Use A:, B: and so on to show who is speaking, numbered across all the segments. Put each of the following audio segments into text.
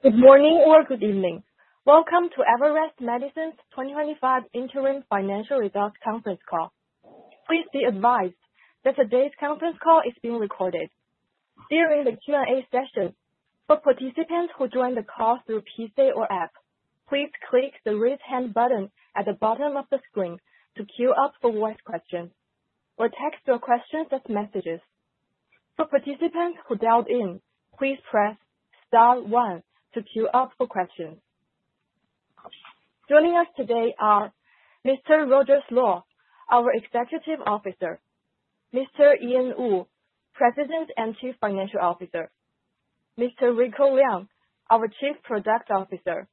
A: Good morning or good evening. Welcome to Everest Medicines 2025 Interim Financial Results Conference Call. Please be advised that today's conference call is being recorded. During the Q&A session, for participants who join the call through PC or app, please click the raise hand button at the bottom of the screen to queue up for voice questions or text your questions as messages. For participants who dialed in, please press star one to queue up for questions. Joining us today are Mr. Rogers Luo, our Chief Executive Officer; Mr. Ian Woo, President and Chief Financial Officer; Mr. Rico Liang, our Chief Product Officer;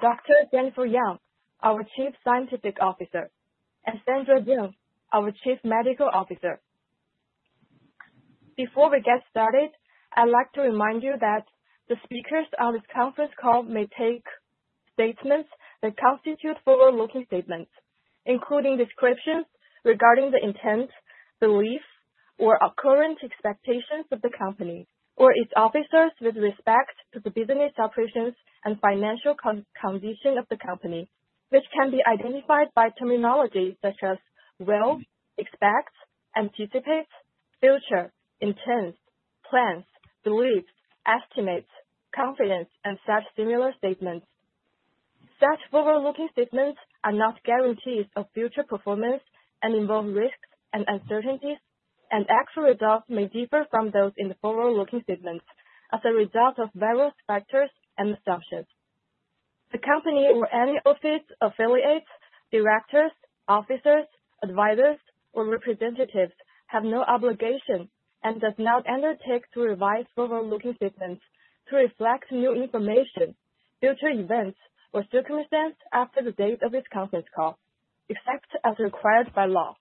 A: Dr. Jennifer Yang, our Chief Scientific Officer; and Sandra Zeng, our Chief Medical Officer. Before we get started, I'd like to remind you that the speakers of this conference call may make statements that constitute forward-looking statements, including descriptions regarding the intent, beliefs, or current expectations of the company or its officers with respect to the business operations and financial condition of the company, which can be identified by terminology such as will, expect, anticipate, future, intent, plans, beliefs, estimates, confidence, and such similar statements. Such forward-looking statements are not guarantees of future performance and involve risks and uncertainties, and actual results may differ from those in the forward-looking statements as a result of various factors and assumptions. The company or any officers, affiliates, directors, officers, advisors, or representatives have no obligation and do not undertake to revise forward-looking statements to reflect new information, future events, or circumstances after the date of this conference call, except as required by law.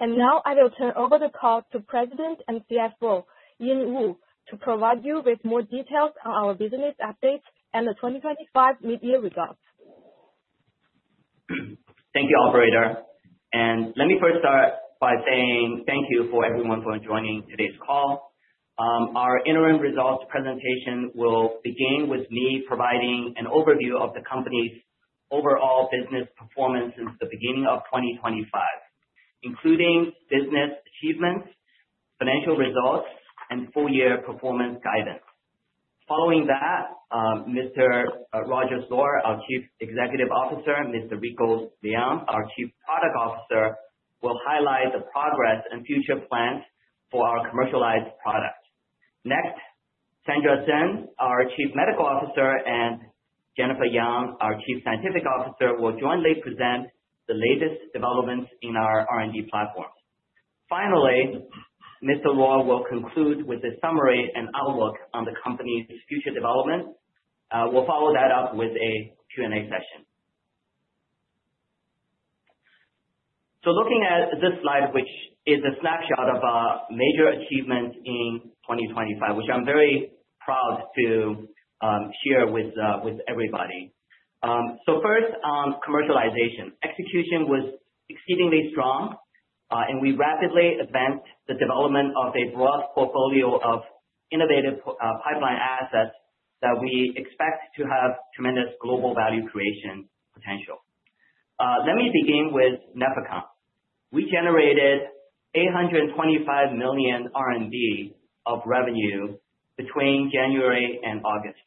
A: I will turn over the call to President and CFO, Ian Woo, to provide you with more details on our business updates and the 2025 mid-year results.
B: Thank you, operator. Let me first start by saying thank you to everyone for joining today's call. Our interim results presentation will begin with me providing an overview of the company's overall business performance since the beginning of 2025, including business achievements, financial results, and full-year performance guidance. Following that, Mr. Rogers Luo, our Chief Executive Officer, and Mr. Rico Liang, our Chief Product Officer, will highlight the progress and future plans for our commercialized product. Next, Sandra Zeng, our Chief Medical Officer, and Jennifer Yang, our Chief Scientific Officer, will jointly present the latest developments in our platform. Finally, Mr. Luo will conclude with a summary and outlook on the company's future development. We'll follow that up with a Q&A session. Looking at this slide, which is a snapshot of our major achievements in 2025, I'm very proud to share with everybody. First, on commercialization, execution was exceedingly strong, and we rapidly advanced the development of a broad portfolio of innovative pipeline assets that we expect to have tremendous global value creation potential. Let me begin with Nefecon. We generated 825 million RMB of revenue between January and August.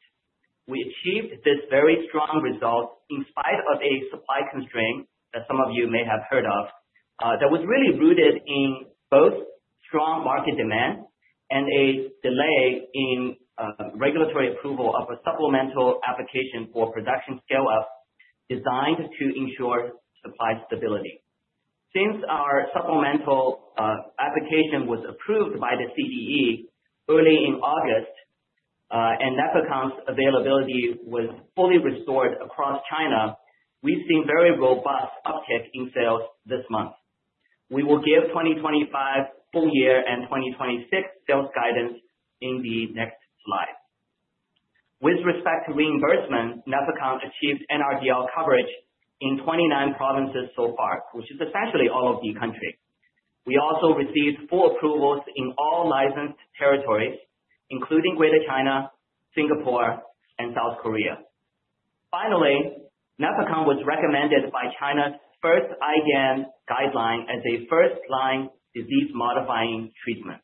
B: We achieved this very strong result in spite of a supply constraint that some of you may have heard of, that was really rooted in both strong market demand and a delay in regulatory approval of a supplemental application for production scale-up designed to ensure supply stability. Since our supplemental application was approved by the CDE early in August and Nefecon's availability was fully restored across China, we've seen very robust uptick in sales this month. We will give 2025 full-year and 2026 sales guidance in the next slide. With respect to reimbursement, Nefecon achieved NRDL coverage in 29 provinces so far, which is essentially all of the country. We also received full approvals in all licensed territories, including Greater China, Singapore, and South Korea. Finally, Nefecon was recommended by China's first IDN guideline as a first-line disease-modifying treatment.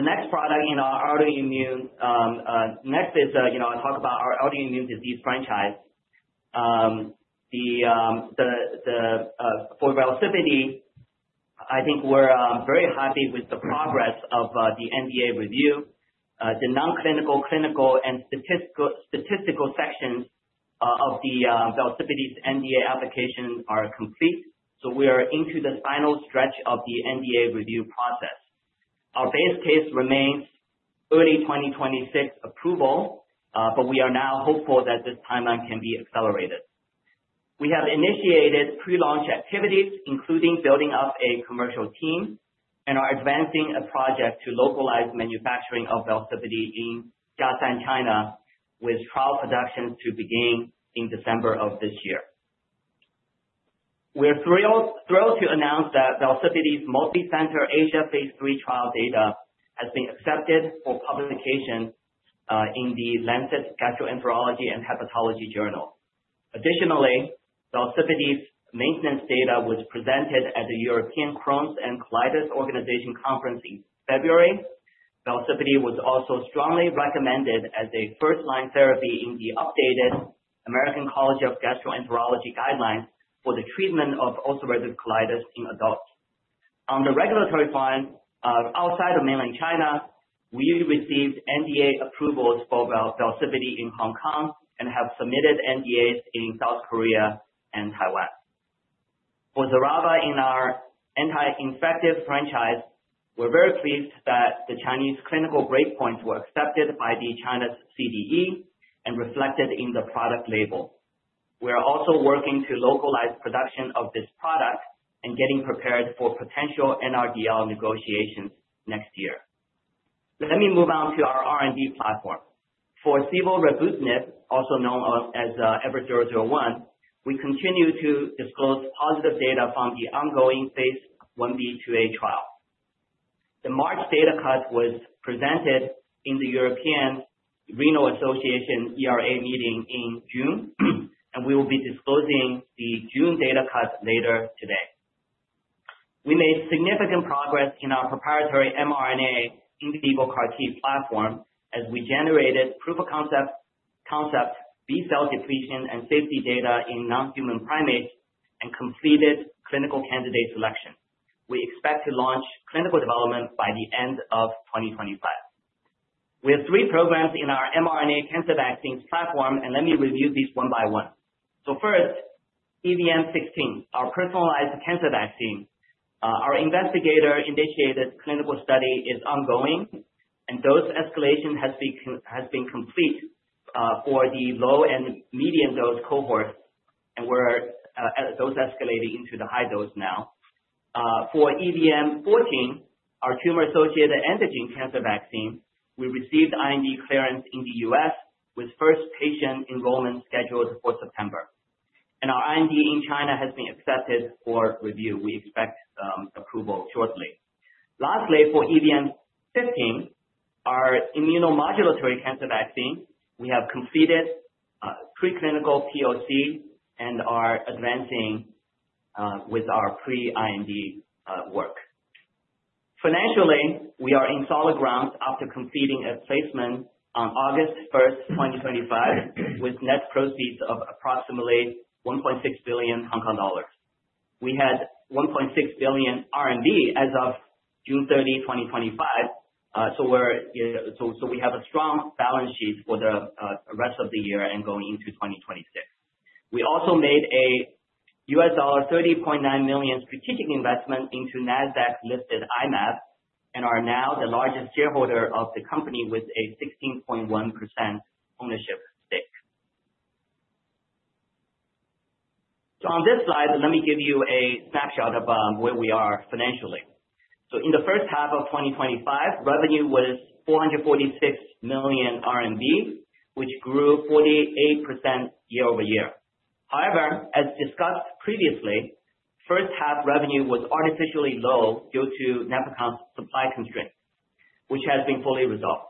B: Next, I will talk about our autoimmune disease franchise. For VELSIPITY, I think we're very happy with the progress of the NDA review. The non-clinical, clinical, and statistical sections of the VELSIPITY NDA application are complete, so we are into the final stretch of the NDA review process. Our base case remains early 2026 approval, but we are now hopeful that this timeline can be accelerated. We have initiated pre-launch activities, including building up a commercial team, and are advancing a project to localize manufacturing of VELSIPITY in Jiashan, China, with trial productions to begin in December of this year. We're thrilled to announce that VELSIPITY's multi-center Asia phase III trial data has been accepted for publication in The Lancet Gastroenterology & Hepatology Journal. Additionally, VELSIPITY's maintenance data was presented at the European Crohn's and Colitis Organization Conference in February. VELSIPITY was also strongly recommended as a first-line therapy in the updated American College of Gastroenterology guidelines for the treatment of ulcerative colitis in adults. On the regulatory front, outside of mainland China, we received NDA approvals for VELSIPITY in Hong Kong and have submitted NDAs in South Korea and Taiwan. For XERAVA in our anti-infective franchise, we're very pleased that the Chinese clinical breakpoints were accepted by the China CDE and reflected in the product label. We're also working to localize production of this product and getting prepared for potential NRDL negotiations next year. Let me move on to our platform. For SIBO, also known as EVER001, we continue to disclose positive data from the ongoing phase I-B/II-A trial. The March data cut was presented in the European Renal Association ERA meeting in June, and we will be disclosing the June data cuts later today. We made significant progress in our proprietary mRNA in vivo CAR T platform as we generated proof of concept, B-cell situation, and safety data in non-human primates and completed clinical candidate selection. We expect to launch clinical development by the end of 2025. We have three programs in our mRNA cancer vaccines platform, and let me review these one by one. First, EVM-16, our personalized cancer vaccine. Our investigator-initiated clinical study is ongoing, and dose escalation has been complete for the low and medium dose cohort, and we're dose escalating into the high dose now. For EVM-14, our tumor-associated antigen cancer vaccine, we received IND clearance in the U.S. with first patient enrollment scheduled for September. Our IND in China has been accepted for review. We expect approval shortly. Lastly, for EVM-15, our immunomodulatory cancer vaccine, we have completed preclinical POC and are advancing with our pre-IND work. Financially, we are on solid ground after completing a placement on August 1, 2025, with net proceeds of approximately CNY 1.6 billion. We had 1.6 billion RMB in as of June 30, 2025, so we have a strong balance sheet for the rest of the year and going into 2026. We also made a $30.9 million strategic investment into NASDAQ-listed I-Mab and are now the largest shareholder of the company with a 16.1% ownership stake. On this slide, let me give you a snapshot of where we are financially. In the first half of 2025, revenue was 446 million RMB, which grew 48% year-over-year. However, as discussed previously, the first half revenue was artificially low due to Nefecon's supply constraints, which have been fully resolved.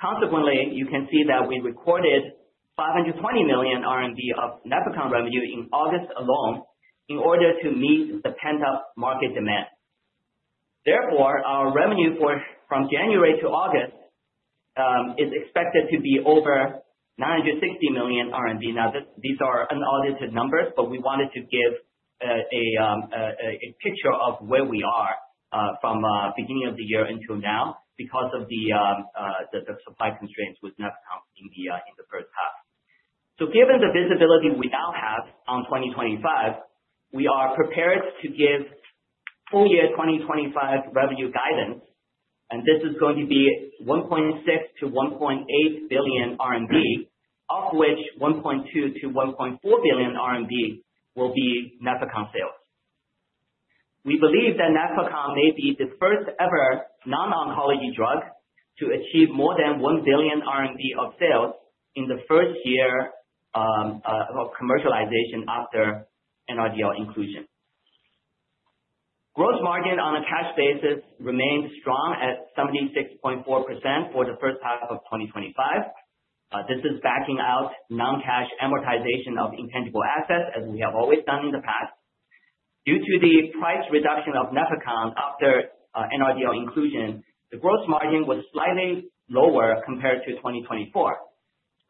B: Consequently, you can see that we recorded 520 million RMB of Nefecon revenue in August alone in order to meet the pent-up market demand. Therefore, our revenue from January to August is expected to be over 960 million RMB. These are unaudited numbers, but we wanted to give a picture of where we are from the beginning of the year until now because of the supply constraints with Nefecon in the first half. Given the visibility we now have on 2025, we are prepared to give full-year 2025 revenue guidance, and this is going to be 1.6 billion-1.8 billion RMB, of which 1.2 billion-1.4 billion RMB will be Nefecon sales. We believe that Nefecon may be the first ever non-oncology drug to achieve more than 1 billion of sales in the first year of commercialization after NRDL inclusion. Gross margin on a cash basis remains strong at 76.4% for the first half of 2025. This is backing out non-cash amortization of intangible assets as we have always done in the past. Due to the price reduction of Nefecon after NRDL inclusion, the gross margin was slightly lower compared to 2024.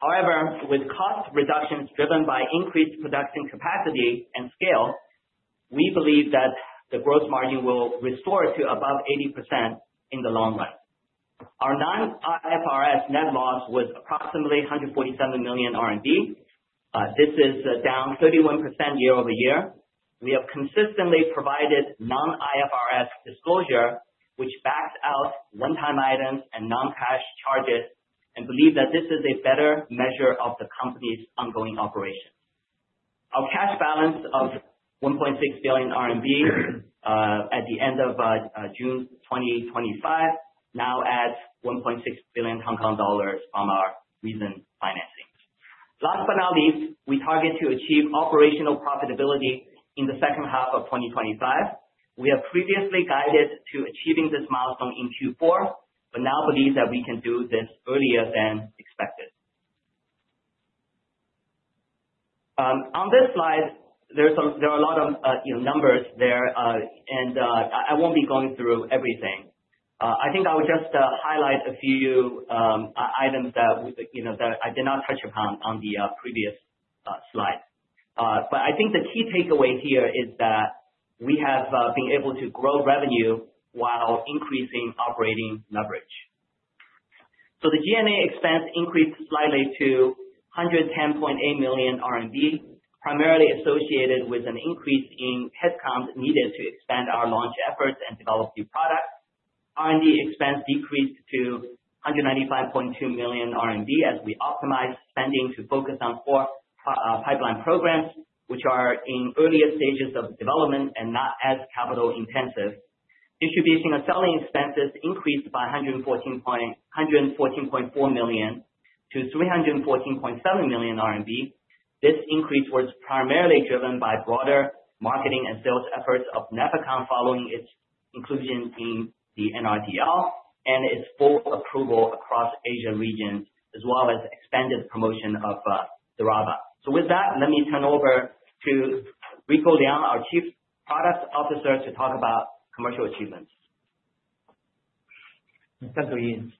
B: However, with cost reductions driven by increased production capacity and scale, we believe that the gross margin will restore to above 80% in the long run. Our non-IFRS net loss was approximately 147 million RMB. This is down 31% year-over-year. We have consistently provided non-IFRS disclosure, which backs out one-time items and non-cash charges, and believe that this is a better measure of the company's ongoing operation. Our cash balance of 1.6 billion RMB at the end of June 2025 now adds CNY 1.6 billion from our recent financing. Last but not least, we target to achieve operational profitability in the second half of 2025. We have previously guided to achieving this milestone in Q4, but now believe that we can do this earlier than expected. On this slide, there are a lot of numbers there, and I won't be going through everything. I think I will just highlight a few items that I did not touch upon on the previous slide. I think the key takeaway here is that we have been able to grow revenue while increasing operating leverage. The G&A expense increased slightly to 110.8 million RMB, primarily associated with an increase in headcount needed to expand our launch efforts and develop new products. expense decreased to 195.2 million RMB as we optimized spending to focus on core pipeline programs, which are in earlier stages of development and not as capital intensive. Distribution of selling expenses increased by 114.4 million to 314.7 million RMB. This increase was primarily driven by broader marketing and sales efforts of Nefecon following its inclusion in the NRDL and its full approval across the Asia region, as well as expanded promotion of XERAVA. With that, let me turn over to Rico Liang, our Chief Product Officer, to talk about commercial achievements.
C: Thank you, Ian.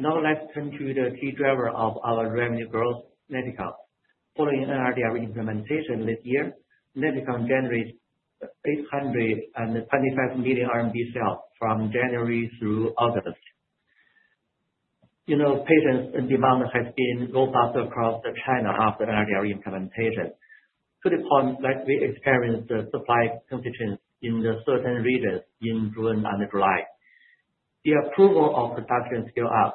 C: Now let's turn to the key driver of our revenue growth, Nefecon. Following NRDL implementation this year, Nefecon generated 825 million RMB sales from January through August. You know, patient demand has been robust across China after NRDL implementation. To the point, we experienced the supply constraints in certain regions in June and July. The approval of production scale-up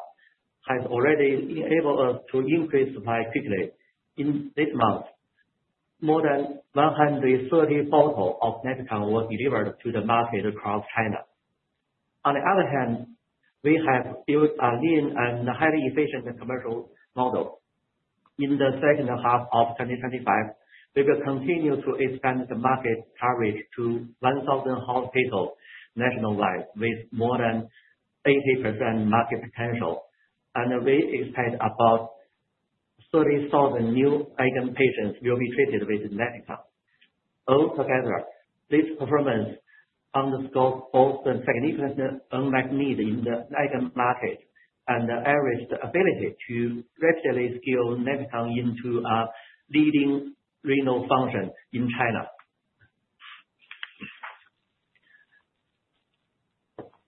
C: has already enabled us to increase supply quickly. In six months, more than 130,000 bottles of Nefecon were delivered to the market across China. On the other hand, we have built a lean and highly efficient commercial model. In the second half of 2025, we will continue to expand the market coverage to 1,000 hospitals nationwide with more than 80% market potential. We expect about 30,000 new IgAN patients will be treated with Nefecon. Altogether, this performance underscores both the significant unmet need in the IgAN market and the average ability to gradually scale Nefecon into a leading renal function therapy in China.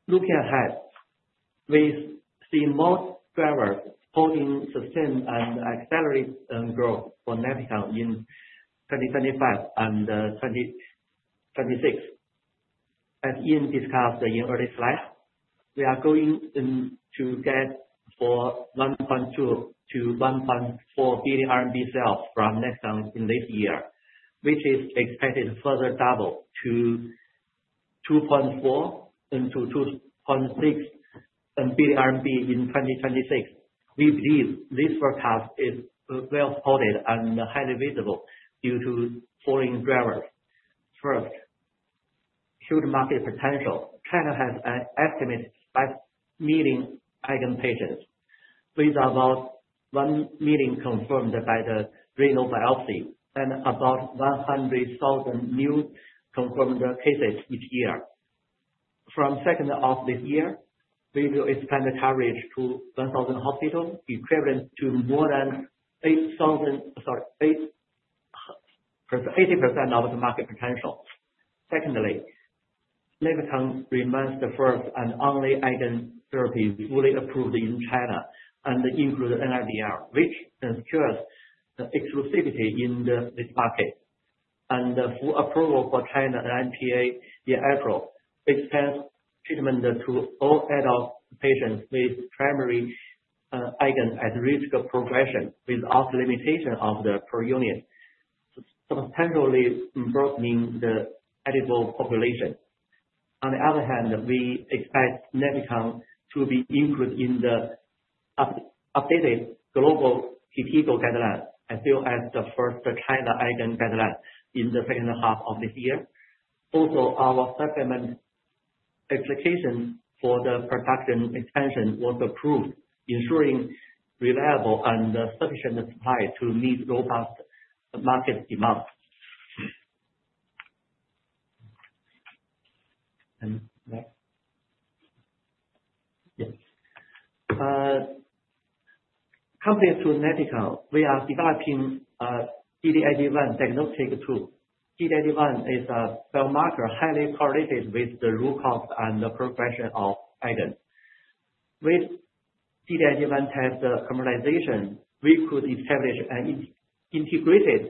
C: Looking ahead, we see most drivers holding sustained and accelerated growth for Nefecon in 2025 and 2026. As Ian discussed in the early slides, we are going to get from 1.2 billion-1.4 billion RMB sales from Nefecon in this year, which is expected to further double to 2.4 billion-2.6 billion RMB in 2026. We believe this forecast is well-supported and highly visible due to the following drivers. First, huge market potential. China has an estimated 5 million IgAN patients, with about 1 million confirmed by the renal biopsy and about 100,000 new confirmed cases each year. From the second half of this year, we will expand the coverage to 1,000 hospitals, equivalent to more than 80% of the market potential. Secondly, Nefecon remains the first and only IgAN therapy fully approved in China and the EU through the NRDL, which ensures exclusivity in this market. The full approval for China NDA in April expands treatment to all adult patients with primary IgAN at risk of progression without limitation of the proteinuria, substantially improving the eligible population. On the other hand, we expect Nefecon to be included in the updated global KDIGO guidelines, as well as the first china IgAN guidelines in the second half of this year. Also, our supplement expectations for the production expansion were approved, ensuring reliable and sufficient supply to meet robust market demand. Complementary to Nefecon, we are developing a DDIG-1 diagnostic tool. DDIG-1 is a biomarker highly correlated with the root cause and the progression of ATEM. With DDIG-1 test harmonization, we could establish an integrated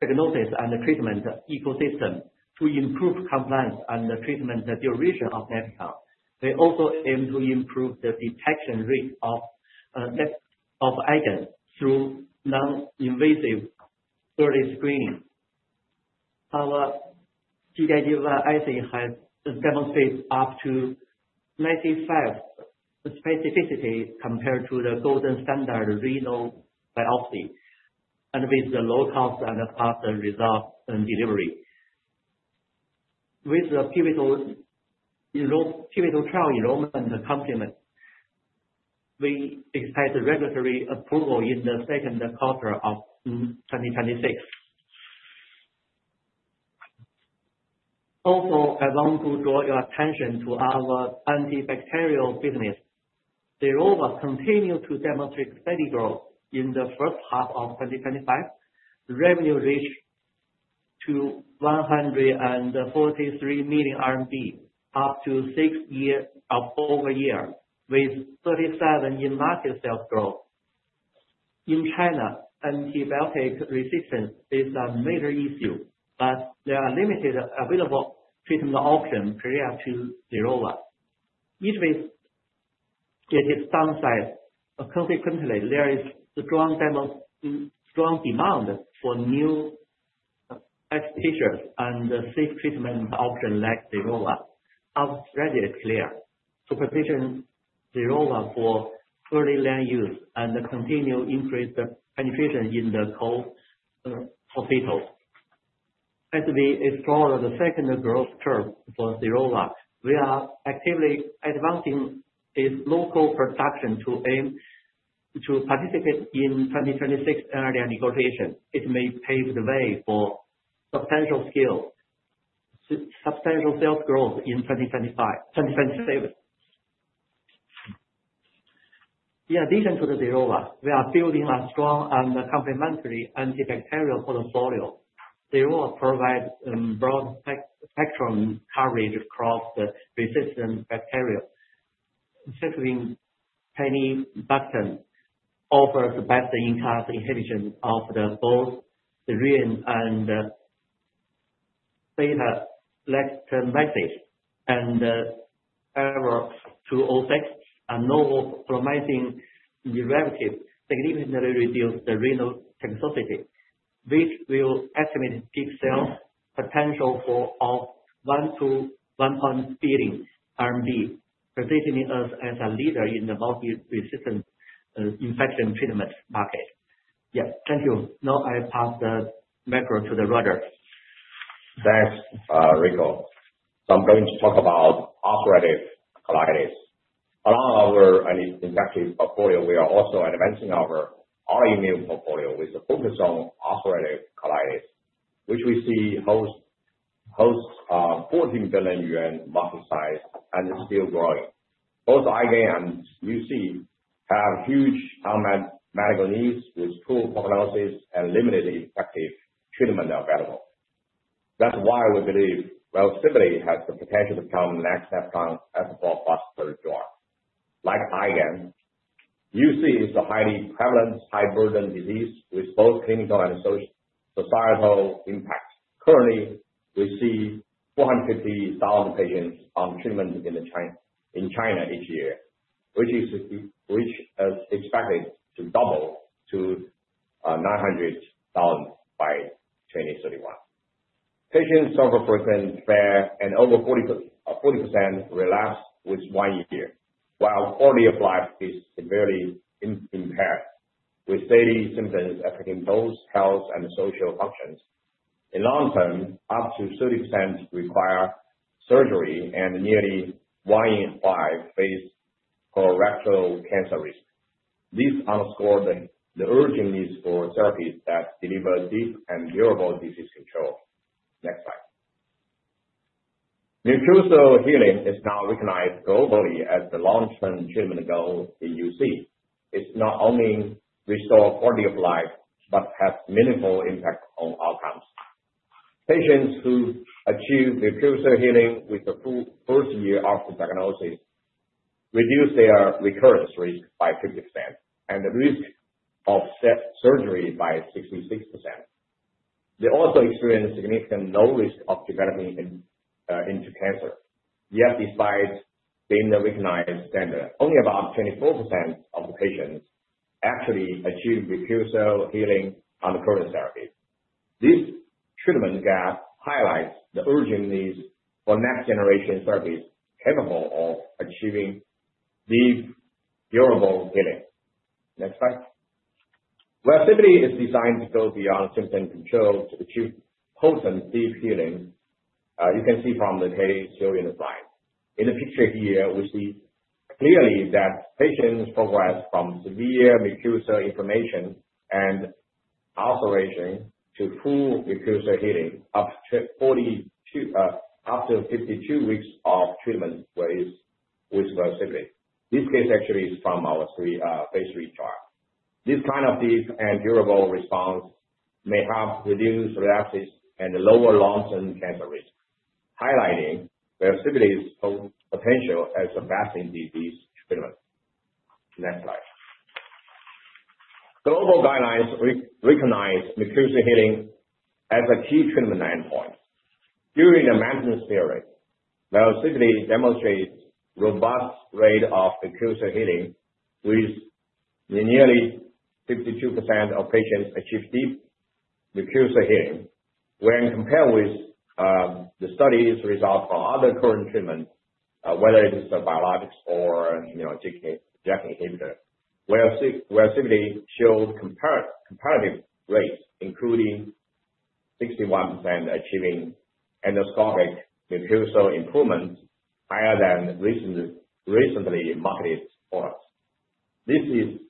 C: diagnosis and treatment ecosystem to improve compliance and the treatment duration of Nefecon. We also aim to improve the detection rate of ATEM through non-invasive early screening. Our DDIG-1 IC has demonstrated up to 95% specificity compared to the gold standard renal biopsy, with low cost and faster result delivery. With the pivotal trial enrollment and the complement, we expect regulatory approval in the second quarter of 2026. Also, I want to draw your attention to our antibacterial business. The enrollments continue to demonstrate steady growth in the first half of 2025. Revenue reached 143 million RMB, up to six years of over a year, with 37% in-market sales growth. In China, antibiotic resistance is a major issue, but there are limited available treatment options prior to the enrollment. Each visit gets its downside. Consequently, there is a strong demand for new applications and the safe treatment options like XERAVA are already clear. Proposition XERAVA for early land use and the continual increased penetration in the cold hospitals. As we explore the second growth curve for XERAVA, we are actively advancing its local production to aim to participate in 2026 NRDL negotiations. It may pave the way for substantial sales growth in 2025. Yeah, in addition to the XERAVA, we are building a strong and complementary antibacterial portfolio. XERAVA provides broad spectrum coverage across the resistant bacteria. Succinctines, Chinese Bactrim, offer the best in-class inhibition of both the renin and beta-lactam lactase, and ER206, a novel formatting in relative significantly reduced renal toxicity, which will estimate deep cell potential for all 1 billion-1.6 billion RMB, positioning us as a leader in the multi-resistant infection treatment market. Yeah, thank you. Now I pass the microphone to Rogers.
D: Thanks, Rico. I'm going to talk about ulcerative colitis. Along our anti-infectious portfolio, we are also advancing our autoimmune portfolio with a focus on ulcerative colitis, which we see hosts a $14 billion unit market size and is still growing. Both IgAN and UC have huge unmet medical needs with poor prognosis and limited effective treatment available. That's why we believe VELSIPITY has the potential to become the next Nefecon's epitope for the cure. Like IgAN, UC is a highly prevalent, high-burden disease with both clinical and societal impacts. Currently, we see 450,000 patients on treatment in China each year, which is expected to double to 900,000 by 2031. Patients suffer frequent flares and over 40% relapse within one year, while quality of life is severely impaired, with steady symptoms affecting both health and social functions. In the long term, up to 30% require surgery and nearly one in five face colorectal cancer risk. This underscores the urgent need for therapies that deliver deep and durable disease control. Next slide. Mucosal healing is now recognized globally as the long-term treatment goal in UC. It's not only restoring quality of life but has minimal impact on outcomes. Patients who achieve mucosal healing within the first year of the diagnosis reduce their recurrence rate by 50% and the risk of surgery by 66%. They also experience significantly lower risk of developing into cancer. Yet, despite being recognized, only about 24% of the patients actually achieve mucosal healing on the current therapy. This treatment gap highlights the urgent need for next-generation therapies capable of achieving deep, durable healing. Next slide. VELSIPITY is designed to go beyond symptom control to achieve post and deep healing. You can see from the case here in the slide. In the picture here, we see clearly that patients progress from severe mucosal inflammation and ulceration to full mucosal healing up to 52 weeks of treatment with VELSIPITY. This case actually is from our phase III trial. This kind of deep and durable response may help reduce relapses and lower long-term cancer risk, highlighting VELSIPITY's potential as the best in disease treatment. Next slide. Global guidelines recognize mucosal healing as a key treatment endpoint. During the maintenance period, VELSIPITY demonstrates a robust rate of mucosal healing, with nearly 52% of patients achieving deep mucosal healing. When compared with the studies' results for other current treatments, whether it is biologics or JAK inhibitors, VELSIPITY showed a comparative rate, including 61% achieving endoscopic mucosal improvements higher than recently in marketed orders. It is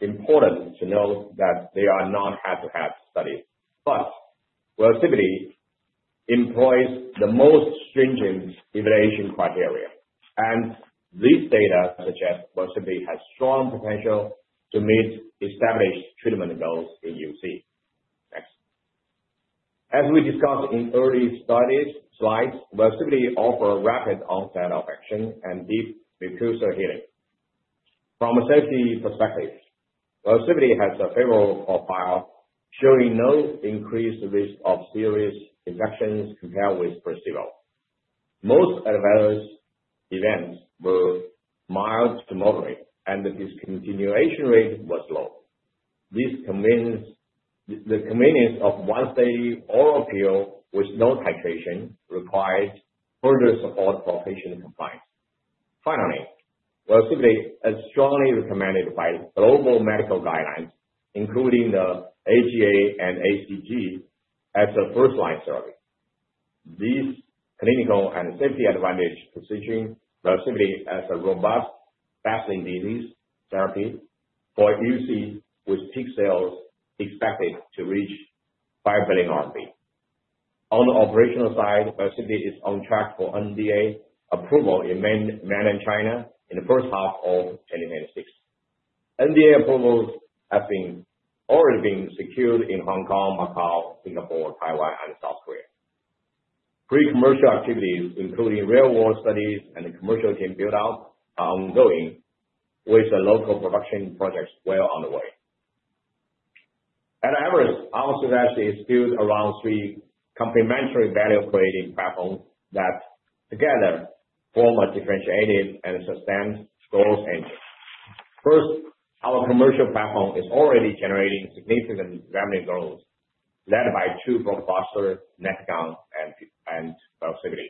D: important to note that they are not app to app studies. VELSIPITY employs the most stringent evaluation criteria, and this data suggests VELSIPITY has strong potential to meet established treatment goals in UC. As we discussed in earlier slides, VELSIPITY offers rapid onset of action and deep mucosal healing. From a safety perspective, VELSIPITY has a favorable profile, showing no increased risk of serious infections compared with placebo. Most adverse events were mild to moderate, and the discontinuation rate was low. This convenience of one steady oral pill with no titration requires further support for patient compliance. Finally, VELSIPITY is strongly recommended by global medical guidelines, including the ACA and ACG, as a first-line therapy. These clinical and safety advantages position VELSIPITY as a robust, battling disease therapy for UC with six cells expected to reach 5 billion RMB. On the operational side, VELSIPITY is on track for NDA approval in mainland China in the first half of 2026. NDA approvals have already been secured in Hong Kong, Macau, Singapore, Taiwan, and South Korea. Pre-commercial activities, including real-world studies and the commercial team build-up, are ongoing, with local production projects well underway. At Everest, our success is built around three complementary value-creating platforms that together form a differentiated and sustained growth engine. First, our commercial platform is already generating significant revenue growth led by two robust Nefecon and VELSIPITY,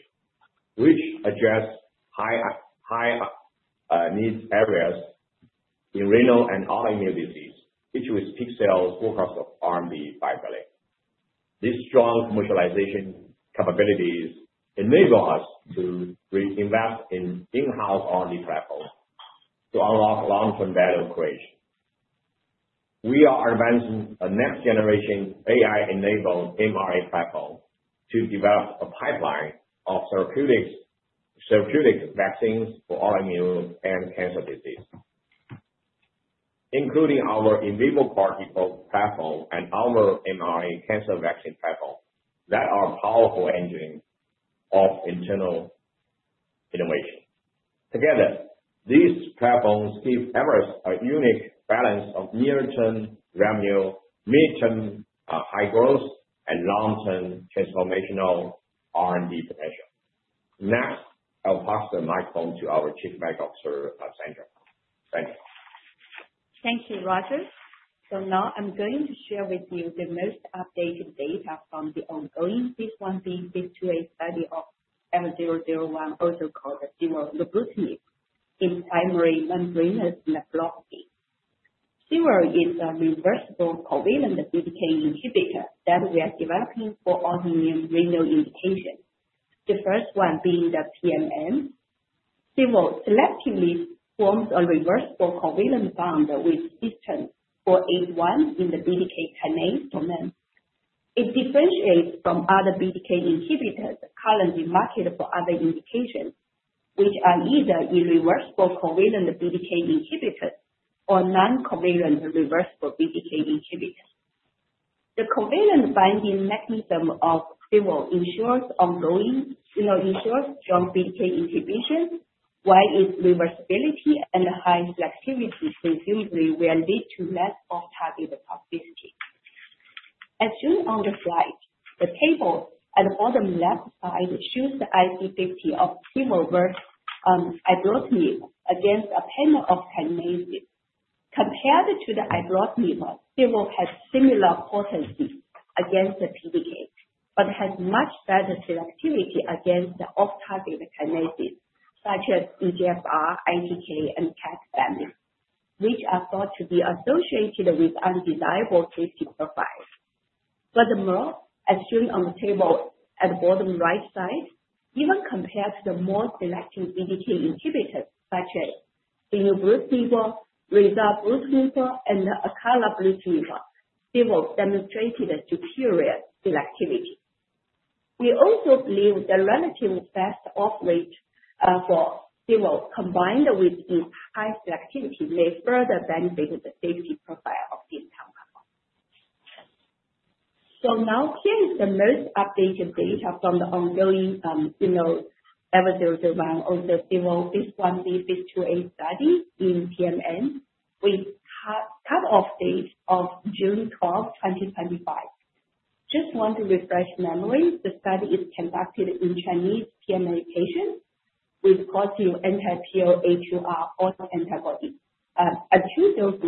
D: which address high-needs areas in renal and autoimmune disease, each with six cells, CNY 400 million. This strong commercialization capabilities enable us to invest in in-house platforms to unlock long-term value creation. We are advancing a next-generation AI-enabled mRNA platform to develop a pipeline of therapeutic vaccines for autoimmune and cancer disease, including our in vivo CAR T platform and our mRNA cancer vaccine platform. That are powerful engines of internal innovation. Together, these platforms give Everest a unique balance of near-term revenue, mid-term high growth, and long-term transformational potential. Now, I'll pass the microphone to our Chief Medical Officer, Sandra Zeng.
E: Thank you, Rogers. Now I'm going to share with you the most updated data from the ongoing 615-628 study of EVER001, also called SIBO, in primary membranous nephropathy. SIBO is a reversible covalent BTK inhibitor that we are developing for autoimmune renal indications, the first one being the TMM. SIBO selectively forms a reversible covalent bond with Cys481 for AD1 in the BTK kinase domain. It differentiates from other BTK inhibitors currently marketed for other indications, which are either irreversible covalent BTK inhibitors or non-covalent reversible BTK inhibitors. The covalent binding mechanism of SIBO ensures ongoing single-insulin strong BTK inhibition, while its reversibility and high flexibility seem to be where we need to map off-target toxicity. As shown on the slide, the table at the bottom left side shows the IC50 of SIBO versus ibrutinib against a panel of kinases. Compared to ibrutinib, SIBO has similar potencies against the BTK but has much better selectivity against the off-target kinases, such as EGFR, ITK, and TEC family, which are thought to be associated with undesirable safety profiles. Furthermore, as shown on the table at the bottom right side, even compared to the more selective BTK inhibitors, such as zanubrutinib, orelabrutinib, and acalabrutinib, SIBO demonstrated differentiated selectivity. We also believe that relative best off-rate for SIBO combined with its high selectivity may further benefit the safety profile of this compound. Here is the most updated data from the ongoing EVER001, also SIBO, 615-628 study in TMM with a cutoff date of June 12, 2025. Just want to refresh memory. The study is conducted in Chinese TMM patients with quasi-anti-PLA2R antibodies. I choose those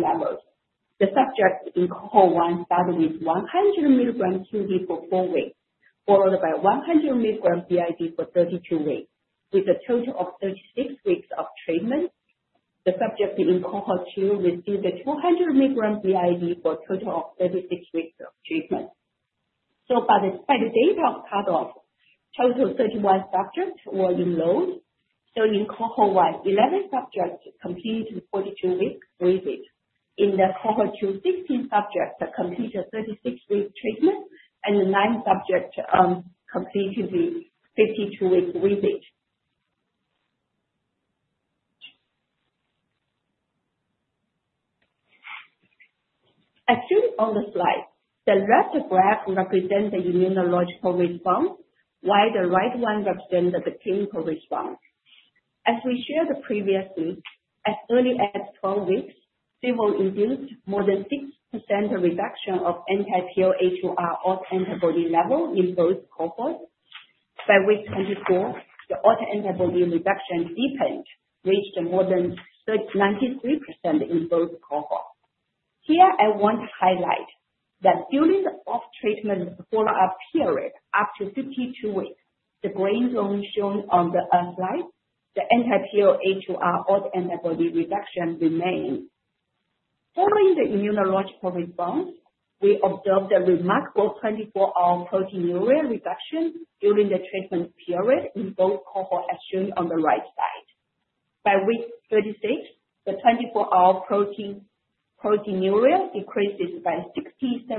E: numbers. The subject in cohort one started with 100 mg q.d. for four weeks, followed by 100 mg b.i.d. for 32 weeks, with a total of 36 weeks of treatment. The subject in cohort two received 200 mg b.i.d. for a total of 36 weeks of treatment. By the data cutoff, a total of 31 subjects were enrolled. In cohort one, 11 subjects completed 42-week visits. In cohort two, 16 subjects completed 36-week treatment and nine subjects completed the 52-week visit. As shown on the slide, the left graph represents the immunological response, while the right one represents the clinical response. As we shared previously, as early as 12 weeks, SIBO induced more than 60% reduction of anti-PLA2R autoantibody level in both cohorts. By week 24, the autoantibody reduction deepened, reaching more than 93% in both cohorts. Here, I want to highlight that during the off-treatment follow-up period up to 52 weeks, the green zone shown on the slide, the anti-PLA2R autoantibody reduction remains. Following the immunological response, we observed a remarkable 24-hour proteinuria reduction during the treatment period in both cohorts as shown on the right side. By week 36, the 24-hour proteinuria decreases by 67%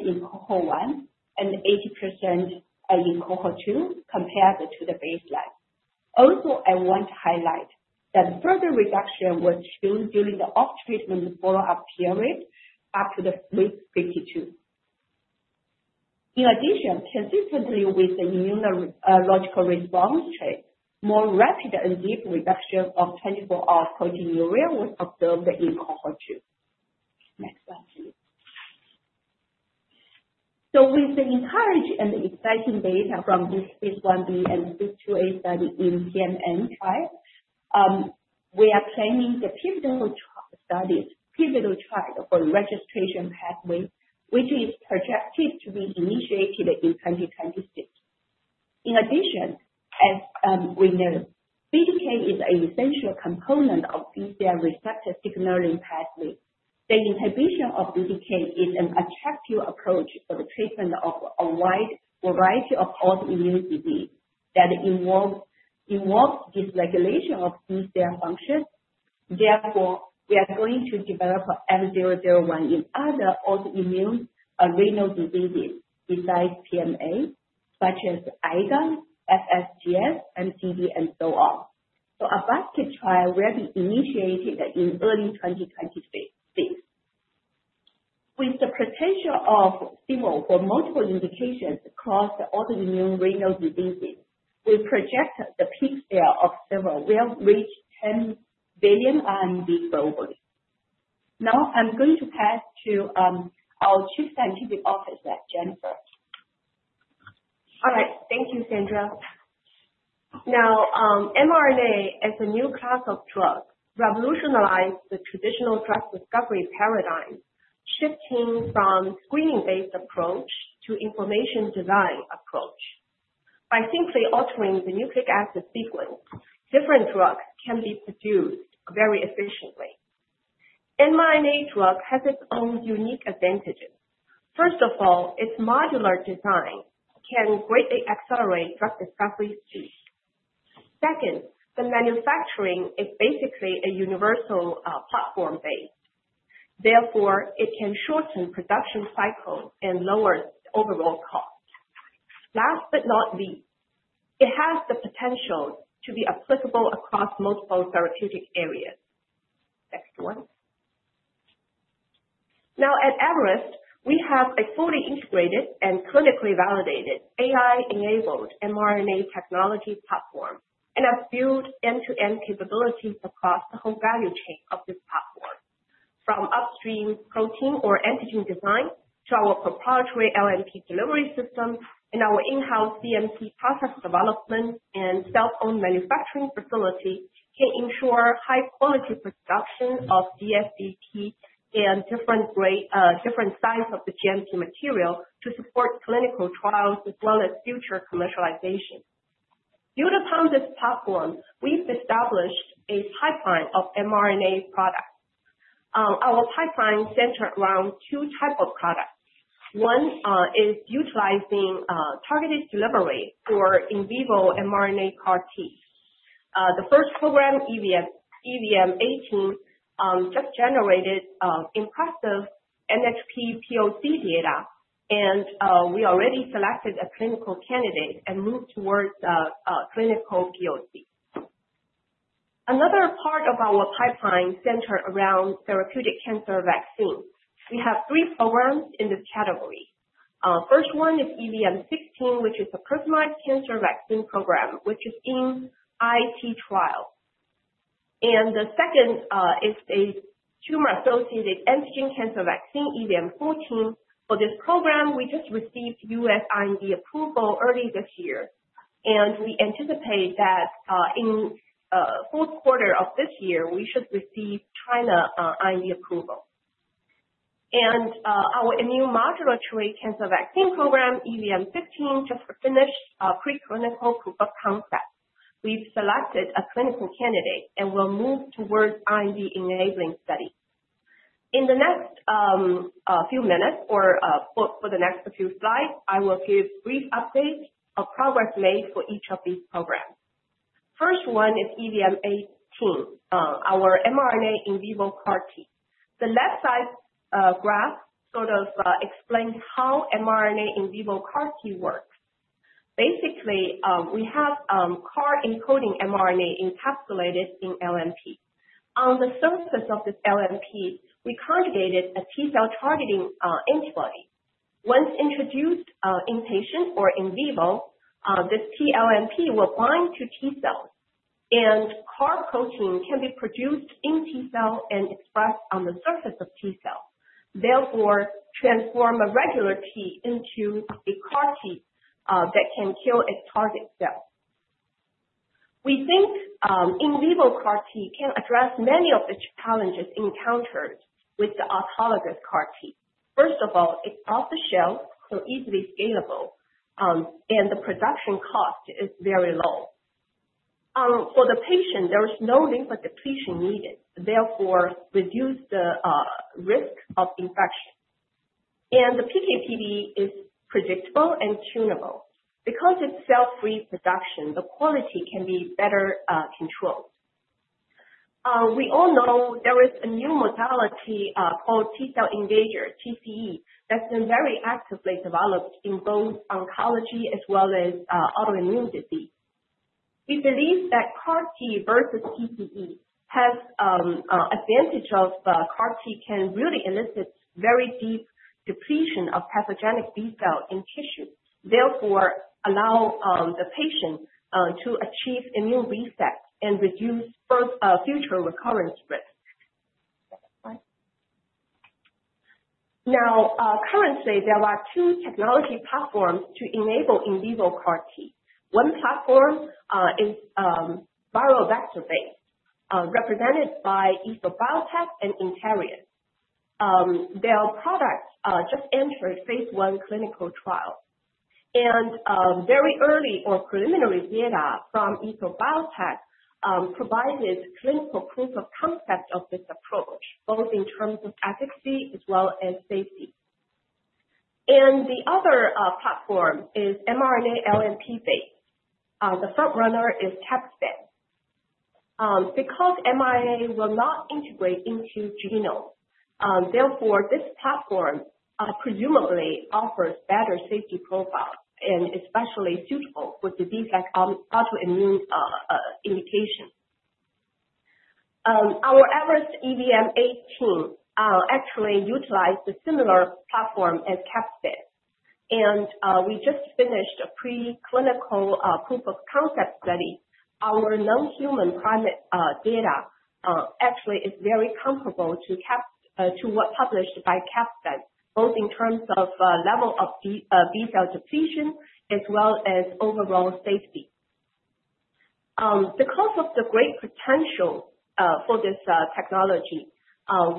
E: in cohort one and 80% in cohort two compared to the baseline. Also, I want to highlight that further reduction was shown during the off-treatment follow-up period up to week 52. In addition, consistently with the immunological response trait, more rapid and deep reduction of 24-hour proteinuria was observed. With the encouraging and exciting data from this 615 and 628 study in TMM trial, we are claiming the pivotal trial for registration pathway, which is projected to be initiated in 2026. In addition, as we know, BDK is an essential component of BCR receptor signaling pathway. The inhibition of BDK is an attractive approach for the treatment of a wide variety of autoimmune disease that involves dysregulation of BCR function. Therefore, we are going to develop M001 in other autoimmune renal diseases besides TMA, such as ADAM, FSCS, MDD, and so on. A basket trial will be initiated in early 2026. With the potential of SIBO for multiple indications across the autoimmune renal diseases, we project the peak scale of SIBO will reach 10 billion RMB globally. Now I'm going to pass to our Chief Scientific Officer, Jennifer.
F: All right. Thank you, Sandra. Now, mRNA as a new class of drug revolutionized the traditional drug discovery paradigm, shifting from a screening-based approach to an information design approach. By simply altering the nucleic acid sequence, different drugs can be produced very efficiently. mRNA drug has its own unique advantages. First of all, its modular design can greatly accelerate drug discovery speeds. Second, the manufacturing is basically a universal platform base. Therefore, it can shorten production cycles and lower overall costs. Last but not least, it has the potential to be applicable across multiple therapeutic areas. Next one. Now, at Everest, we have a fully integrated and clinically validated AI-enabled mRNA technology platform and have built end-to-end capabilities across the whole value chain of this platform. From upstream protein or antigen design to our proprietary LNP delivery system and our in-house DMC process development and self-owned manufacturing facility can ensure high-quality production of DSDT and different sizes of the GMP material to support clinical trials as well as future commercialization. Due to founding this platform, we've established a pipeline of mRNA products. Our pipeline centers around two types of products. One is utilizing targeted delivery through our in vivo mRNA CAR T. The first program, EVM-18, just generated impressive NHP POC data, and we already selected a clinical candidate and moved towards the clinical POC. Another part of our pipeline centers around therapeutic cancer vaccines. We have three programs in this category. First one is EVM-16, which is a personalized cancer vaccine program, which is in IT trial. The second is a tumor-associated antigen cancer vaccine, EVM-14. For this program, we just received U.S. IND approval early this year, and we anticipate that in the fourth quarter of this year, we should receive China IND approval. Our immune modulatory cancer vaccine program, EVM-15, just finished a preclinical proof of concept. We've selected a clinical candidate and will move towards IND-enabling studies. In the next few minutes or for the next few slides, I will give a brief update of progress made for each of these programs. First one is EVM-18, our mRNA in vivo CAR T. The left side graph sort of explains how mRNA in vivo CAR T works. Basically, we have CAR-encoding mRNA encapsulated in LNP. On the surface of this LNP, we conjugated a T-cell targeting enzyme. Once introduced in patients or in vivo, this TLNP will bind to T cells, and CAR protein can be produced in T cell and expressed on the surface of T cell, therefore transform a regular T into a CAR T that can kill a target cell. We think in vivo CAR T can address many of the challenges encountered with the autologous CAR T. First of all, it's off the shelf, so easily scalable, and the production cost is very low. For the patient, there is no lymphodepletion needed, therefore reduced the risk of infection. The PKPD is predictable and tunable. Because it's cell-free production, the quality can be better controlled. We all know there is a new modality called T cell invasion, TCE, that's been very actively developed in both oncology as well as autoimmune disease. We believe that CAR T versus TCE has the advantage of CAR T can really elicit very deep depletion of pathogenic B cells in tissue, therefore allowing the patient to achieve immune reset and reduce future recurrence risk. Currently, there are two technology platforms to enable in vivo CAR T. One platform is viral vector-based, represented by EsoBiotec and Interius. Their products just entered phase I clinical trials. Very early or preliminary data from EsoBiotec provided clinical proof of concept of this approach, both in terms of efficacy as well as safety. The other platform is mRNA LNP-based. The front runner is Capstan. Because mRNA will not integrate into genome, therefore this platform presumably offers better safety profiles and is especially suitable for disease-like autoimmune indications. Our Everest EVM-18 actually utilizes a similar platform as Capstan. We just finished a preclinical proof of concept study. Our non-human primate data actually is very comparable to what was published by Capstan, both in terms of level of B cell depletion as well as overall safety. Because of the great potential for this technology,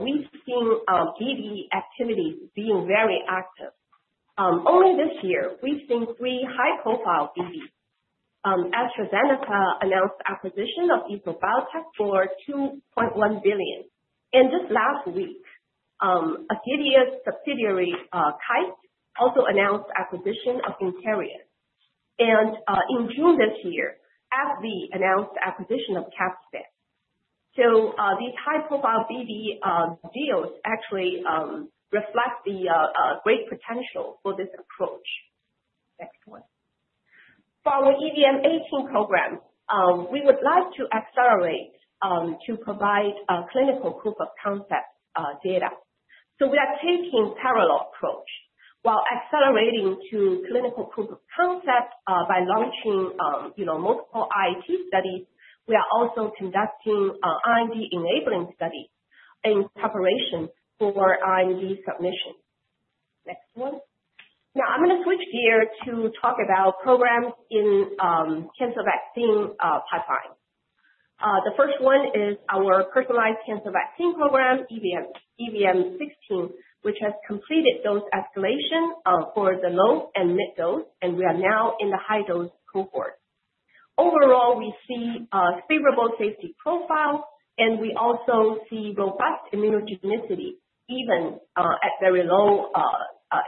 F: we've seen BD activities being very active. Only this year, we've seen three high-profile BDs. AstraZeneca announced the acquisition of EsoBiotec for $2.1 billion. Just last week, Acilio's subsidiary TICE also announced the acquisition of Interius. In June this year, AbbVie announced the acquisition of Capstan. These high-profile BD deals actually reflect the great potential for this approach. Next one. For our EVM-18 program, we would like to accelerate to provide clinical proof of concept data. We are taking a parallel approach. While accelerating to clinical proof of concept by launching multiple IAT studies, we are also conducting IND-enabling studies in preparation for IND submission. Next one. Now I'm going to switch gears to talk about programs in the cancer vaccine pipeline. The first one is our personalized cancer vaccine program, EVM-16, which has completed dose escalation for the low and mid-dose, and we are now in the high-dose cohort. Overall, we see a favorable safety profile, and we also see robust immunogenicity even at very low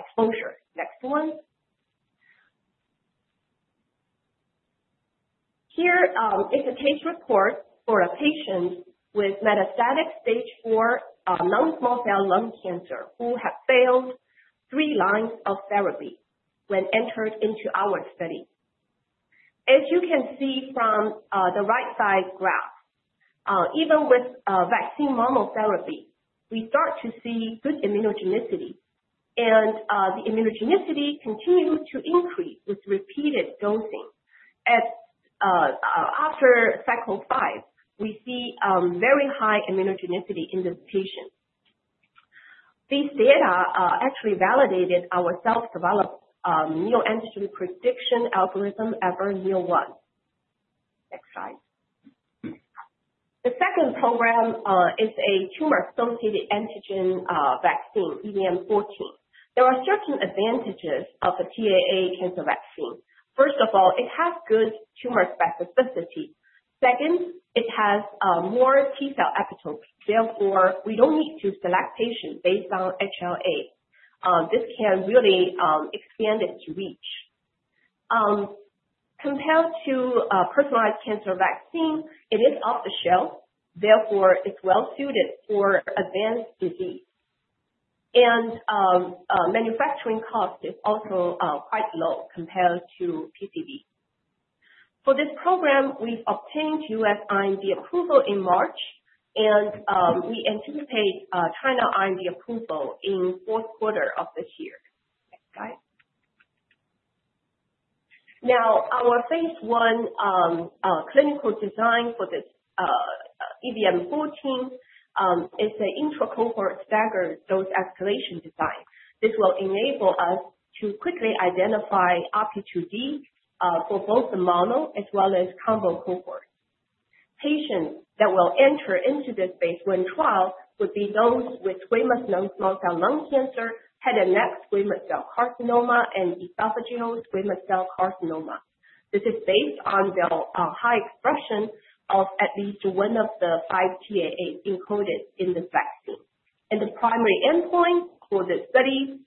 F: exposure. Next one. Here is a case report for a patient with metastatic stage IV non-small cell lung cancer who had failed three lines of therapy when entered into our study. As you can see from the right side graph, even with vaccine monotherapy, we start to see good immunogenicity. The immunogenicity continues to increase with repeated dosing. After cycle five, we see very high immunogenicity in this patient. These data actually validated our self-developed new antigen prediction algorithm, EVER-NEO-1. Next slide. The second program is a tumor-associated antigen vaccine, EVM-14. There are certain advantages of a TAA cancer vaccine. First of all, it has good tumor specificity. Second, it has more T cell epitopes. Therefore, we don't need to select patients based on HLA. This can really expand its reach. Compared to a personalized cancer vaccine, it is off the shelf. Therefore, it's well-suited for advanced disease. Manufacturing cost is also quite low compared to PCV. For this program, we obtained U.S. IND approval in March, and we anticipate China IND approval in the fourth quarter of this year. Next slide. Now, our phase I clinical design for the EVM-14 is an intracohort staggered dose escalation design. This will enable us to quickly identify RP2D for both the mono as well as combo cohorts. Patients that will enter into this phase I trial would be those with squamous non-small cell lung cancer, head and neck squamous cell carcinoma, and esophageal squamous cell carcinoma. This is based on their high expression of at least one of the five TAAs encoded in the vac. The primary endpoint for this study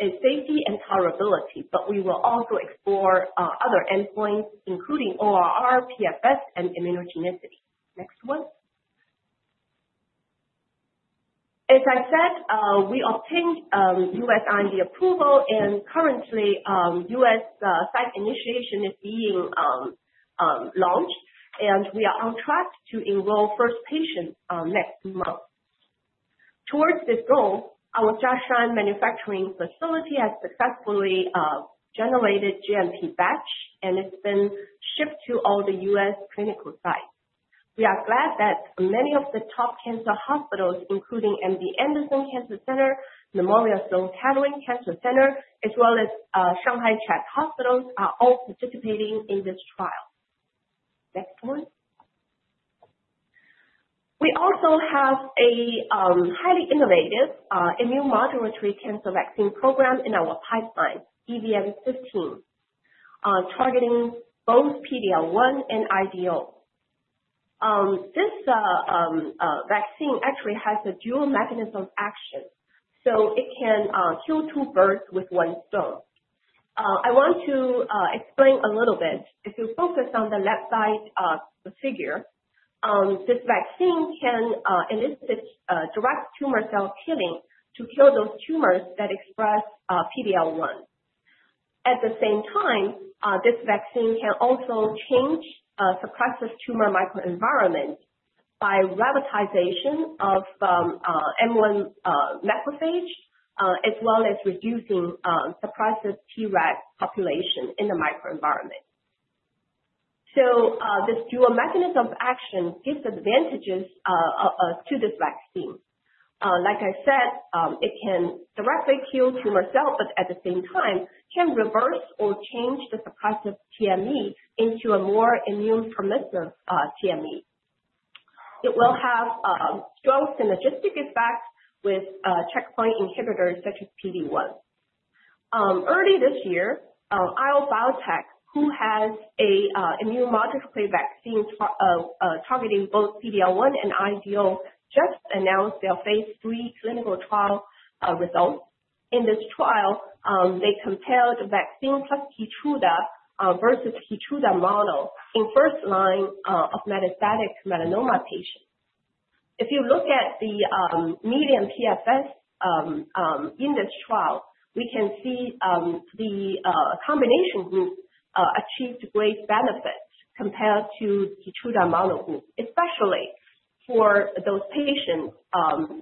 F: is safety and tolerability, but we will also explore other endpoints, including ORR, PFS, and immunogenicity. Next one. As I said, we obtained U.S. IND approval, and currently, U.S. site initiation is being launched, and we are on track to enroll first patients next month. Towards this goal, our Jiaxin manufacturing facility has successfully generated GMP batch, and it's been shipped to all the U.S. clinical sites. We are glad that many of the top cancer hospitals, including MD Anderson Cancer Center, Memorial Sloan Kettering Cancer Center, as well as Shanghai Changhai Hospitals, are all participating in this trial. Next one. We also have a highly innovative immune modulatory cancer vaccine program in our pipeline, EVM-15, targeting both PD-L1 and IDO. This vaccine actually has a dual mechanism of action, so it can kill two birds with one stone. I want to explain a little bit. If you focus on the left side of the figure, this vaccine can elicit direct tumor cell killing to kill those tumors that express PD-L1. At the same time, this vaccine can also change suppressor tumor microenvironment by revitalization of M1 macrophage as well as reducing suppressor Tregs population in the microenvironment. This dual mechanism of action gives advantages to this vaccine. Like I said, it can directly kill tumor cells, but at the same time, can reverse or change the suppressor TME into a more immune-supportive TME. It will have strong synergistic effects with checkpoint inhibitors such as PD-1. Early this year, IO Biotech, who has an immune modulatory vaccine targeting both PD-L1 and IDO, just announced their phase III clinical trial results. In this trial, they compared vaccine plus KEYTRUDA versus KEYTRUDA monotherapy in first-line metastatic melanoma patients. If you look at the median PFS in this trial, we can see the combination group achieved great benefits compared to the KEYTRUDA monotherapy group, especially for those patients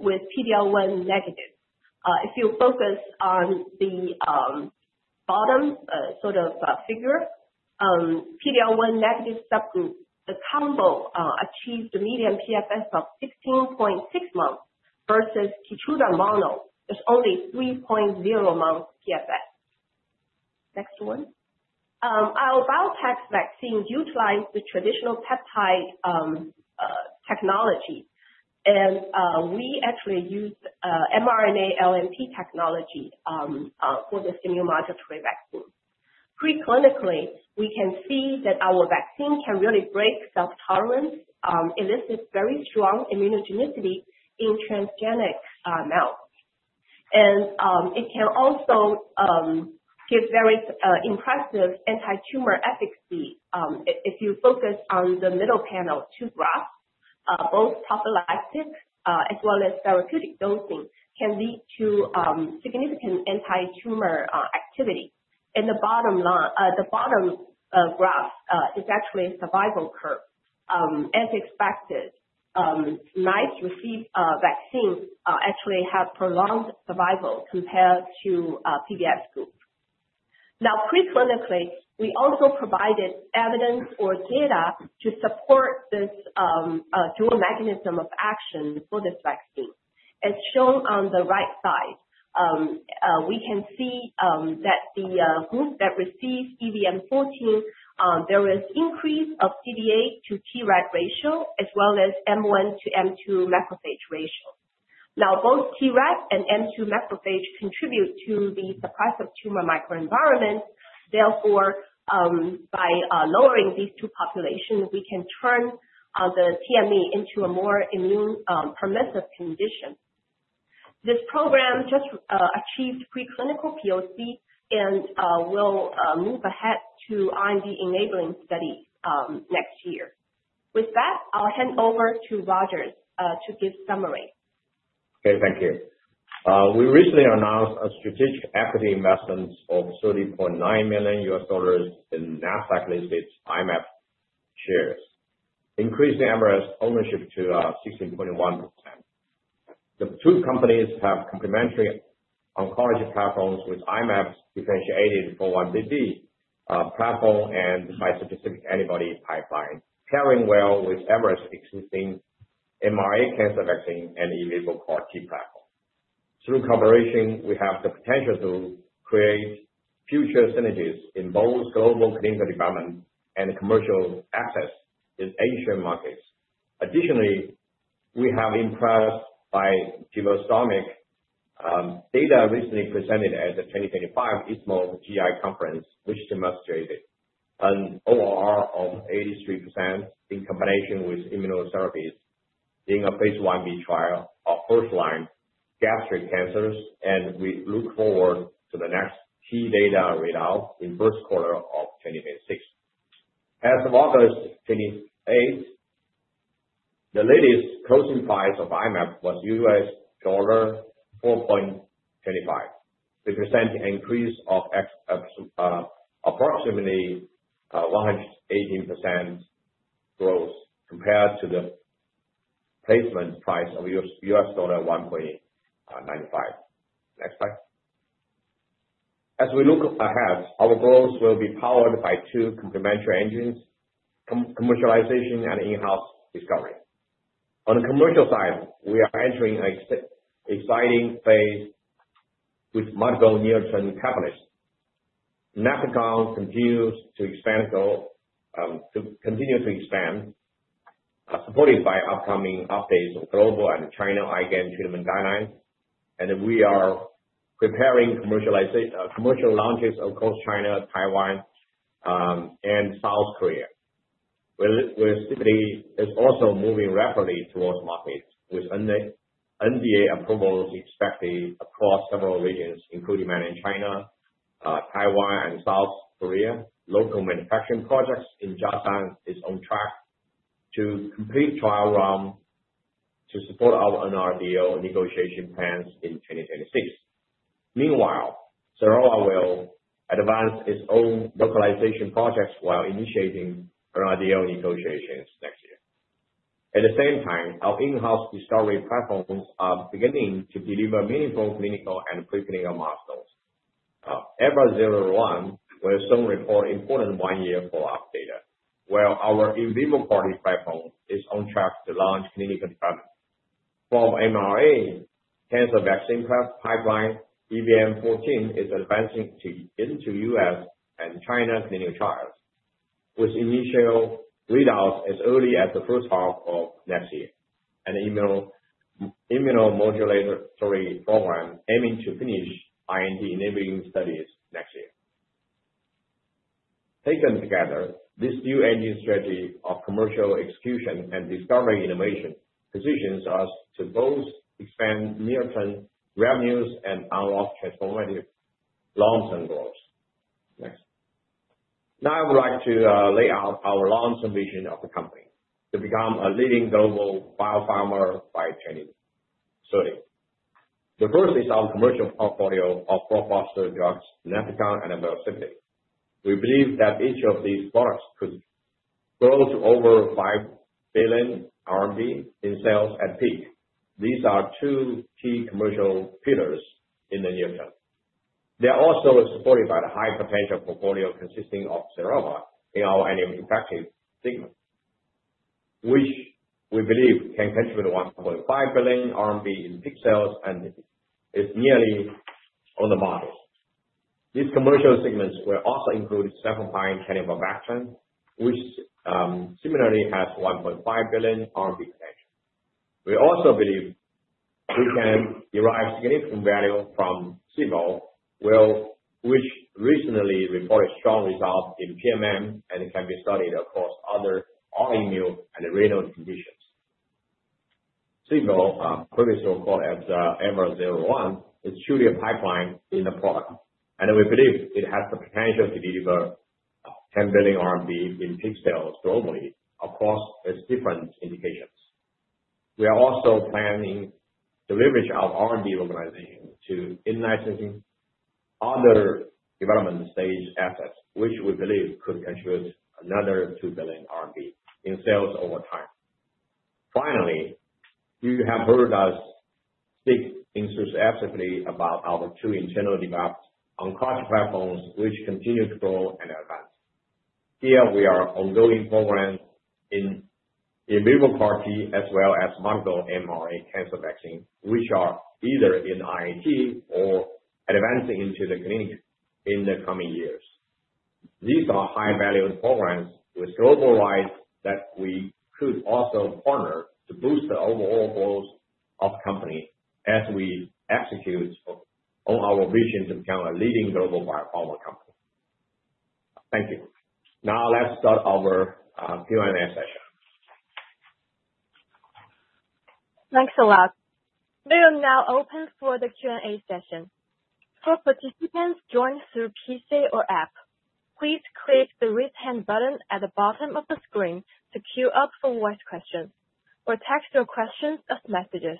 F: with PD-L1 negative. If you focus on the bottom sort of figure, PD-L1 negative subgroup, the combo achieved the median PFS of 16.6 months versus KEYTRUDA monotherapy is only 3.0 months PFS. Next one. IO Biotech's vaccine utilized the traditional peptide technology, and we actually used mRNA LNP technology for this immune modulatory vaccine. Preclinically, we can see that our vaccine can really break self-tolerance, elicit very strong immunogenicity in transgenic mouse. It can also give very impressive anti-tumor efficacy. If you focus on the middle panel, two graphs, both prophylactic as well as therapeutic dosing can lead to significant anti-tumor activity. The bottom graph is actually a survival curve. As expected, mice receiving vaccines actually have prolonged survival compared to PBS groups. Now, preclinically, we also provided evidence or data to support this dual mechanism of action for this vaccine. As shown on the right side, we can see that the group that received EVM-14, there was an increase of CD8 to Tregs ratio as well as M1 to M2 macrophage ratio. Now, both Tregs and M2 macrophage contribute to the suppressor tumor microenvironment. Therefore, by lowering these two populations, we can turn the TME into a more immune-permissive condition. This program just achieved preclinical POC and will move ahead to IND-enabling study next year. With that, I'll hand over to Rogers to give a summary.
D: Okay, thank you. We recently announced a strategic equity investment of $30.9 million in Nasdaq-listed I-Mab shares, increasing Everest Medicines' ownership to 16.1%. The two companies have complementary oncology platforms, with I-Mab's differentiated 4-1BB platform and bispecific antibody pipeline pairing well with Everest's existing mRNA cancer vaccine and in vivo CAR T platform. Through collaboration, we have the potential to create future synergies in both global clinical development and commercial access in Asian markets. Additionally, we have been impressed by I-Mab's data recently presented at the 2024 ASCO GI conference, which demonstrated an ORR of 83% in combination with immunotherapies in phase I-B trial of first-line gastric cancers. We look forward to the next key data readout in the first quarter of 2025. As of August 28, the latest closing price of I-Mab was $4.25, representing an increase of approximately 118% growth compared to the placement price of $1.95. Next slide. As we look ahead, our growth will be powered by two complementary engines: commercialization and in-house discovery. On the commercial side, we are entering an exciting phase with multiple new trending catalysts. Nefecon continues to expand, supported by upcoming updates of global and china IgANN treatment guidelines, and we are preparing commercial launches across China, Taiwan, and South Korea. VELSIPITY is also moving rapidly towards markets with NDA approvals expected across several regions, including mainland China, Taiwan, and South Korea. Local manufacturing projects in Jiaxing are on track to complete the trial run to support our NRDL negotiation plans in 2025. Meanwhile, XERAVA will advance its own localization projects while initiating NRDL negotiations next year. At the same time, our in-house discovery platforms are beginning to deliver meaningful clinical and preclinical milestones. EVER001 will soon report important one-year follow-up data, while our in vivo CAR T platform is on track to launch clinical drugs. From the mRNA cancer vaccine pipeline, EVM-14 is advancing into U.S. and China clinical trials, with initial readouts as early as the first half of next year, and the immunomodulatory program aiming to finish IND-enabling studies next year. Taken together, this dual-engine strategy of commercial execution and discovery innovation positions us to both expand near-term revenues and unlock transformative long-term growth. Next, now I would like to lay out our long-term vision of the company to become a leading global biopharma by 2030. The first is our commercial portfolio of four foster drugs, Nefecon and VELSIPITY. We believe that each of these products could grow to over 5 billion RMB in sales at peak. These are two key commercial pillars in the near term. They are also supported by the high-potential portfolio consisting of XERAVA in our anti-infective segment, which we believe can contribute 1.5 billion RMB in peak sales and is nearly on the mark. These commercial segments will also include a cephalosporin cannibal vaccine, which similarly has 1.5 billion in peak sales. We also believe we can derive significant value from SIBO, which recently reported strong results in PMN and can be studied across other autoimmune and renal conditions. SIBO, previously called EVER001, is truly a pipeline in a product, and we believe it has the potential to deliver CNY 10 billion in peak sales globally across its different indications. We are also planning the leverage of RMB mobilization to in-licensing other development stage assets, which we believe could contribute another 2 billion RMB in sales over time. Finally, you have heard us speak exclusively about our two internally developed oncology platforms, which continue to grow and advance. Here, we are ongoing programs in in vivo CAR T as well as monoclonal mRNA cancer vaccines, which are either in IND or advancing into the clinic in the coming years. These are high-valued programs with global rights that we should also honor to boost the overall goals of the company as we execute on our vision to become a leading global biopharma company. Thank you. Now let's start our Q&A session.
A: Thanks a lot. We are now open for the Q&A session. For participants joining through PC or app, please click the raise hand button at the bottom of the screen to queue up for voice questions or text your questions as messages.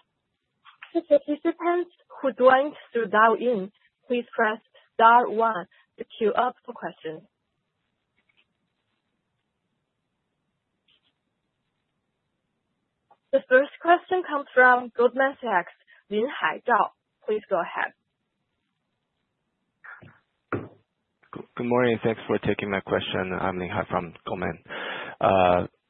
A: For participants who joined through Douyin, please press star one to queue up for questions. The first question comes from Goldman Sachs, Linhai Zhao. Please go ahead.
G: Good morning. Thanks for taking my question. I'm Linhai from Goldman.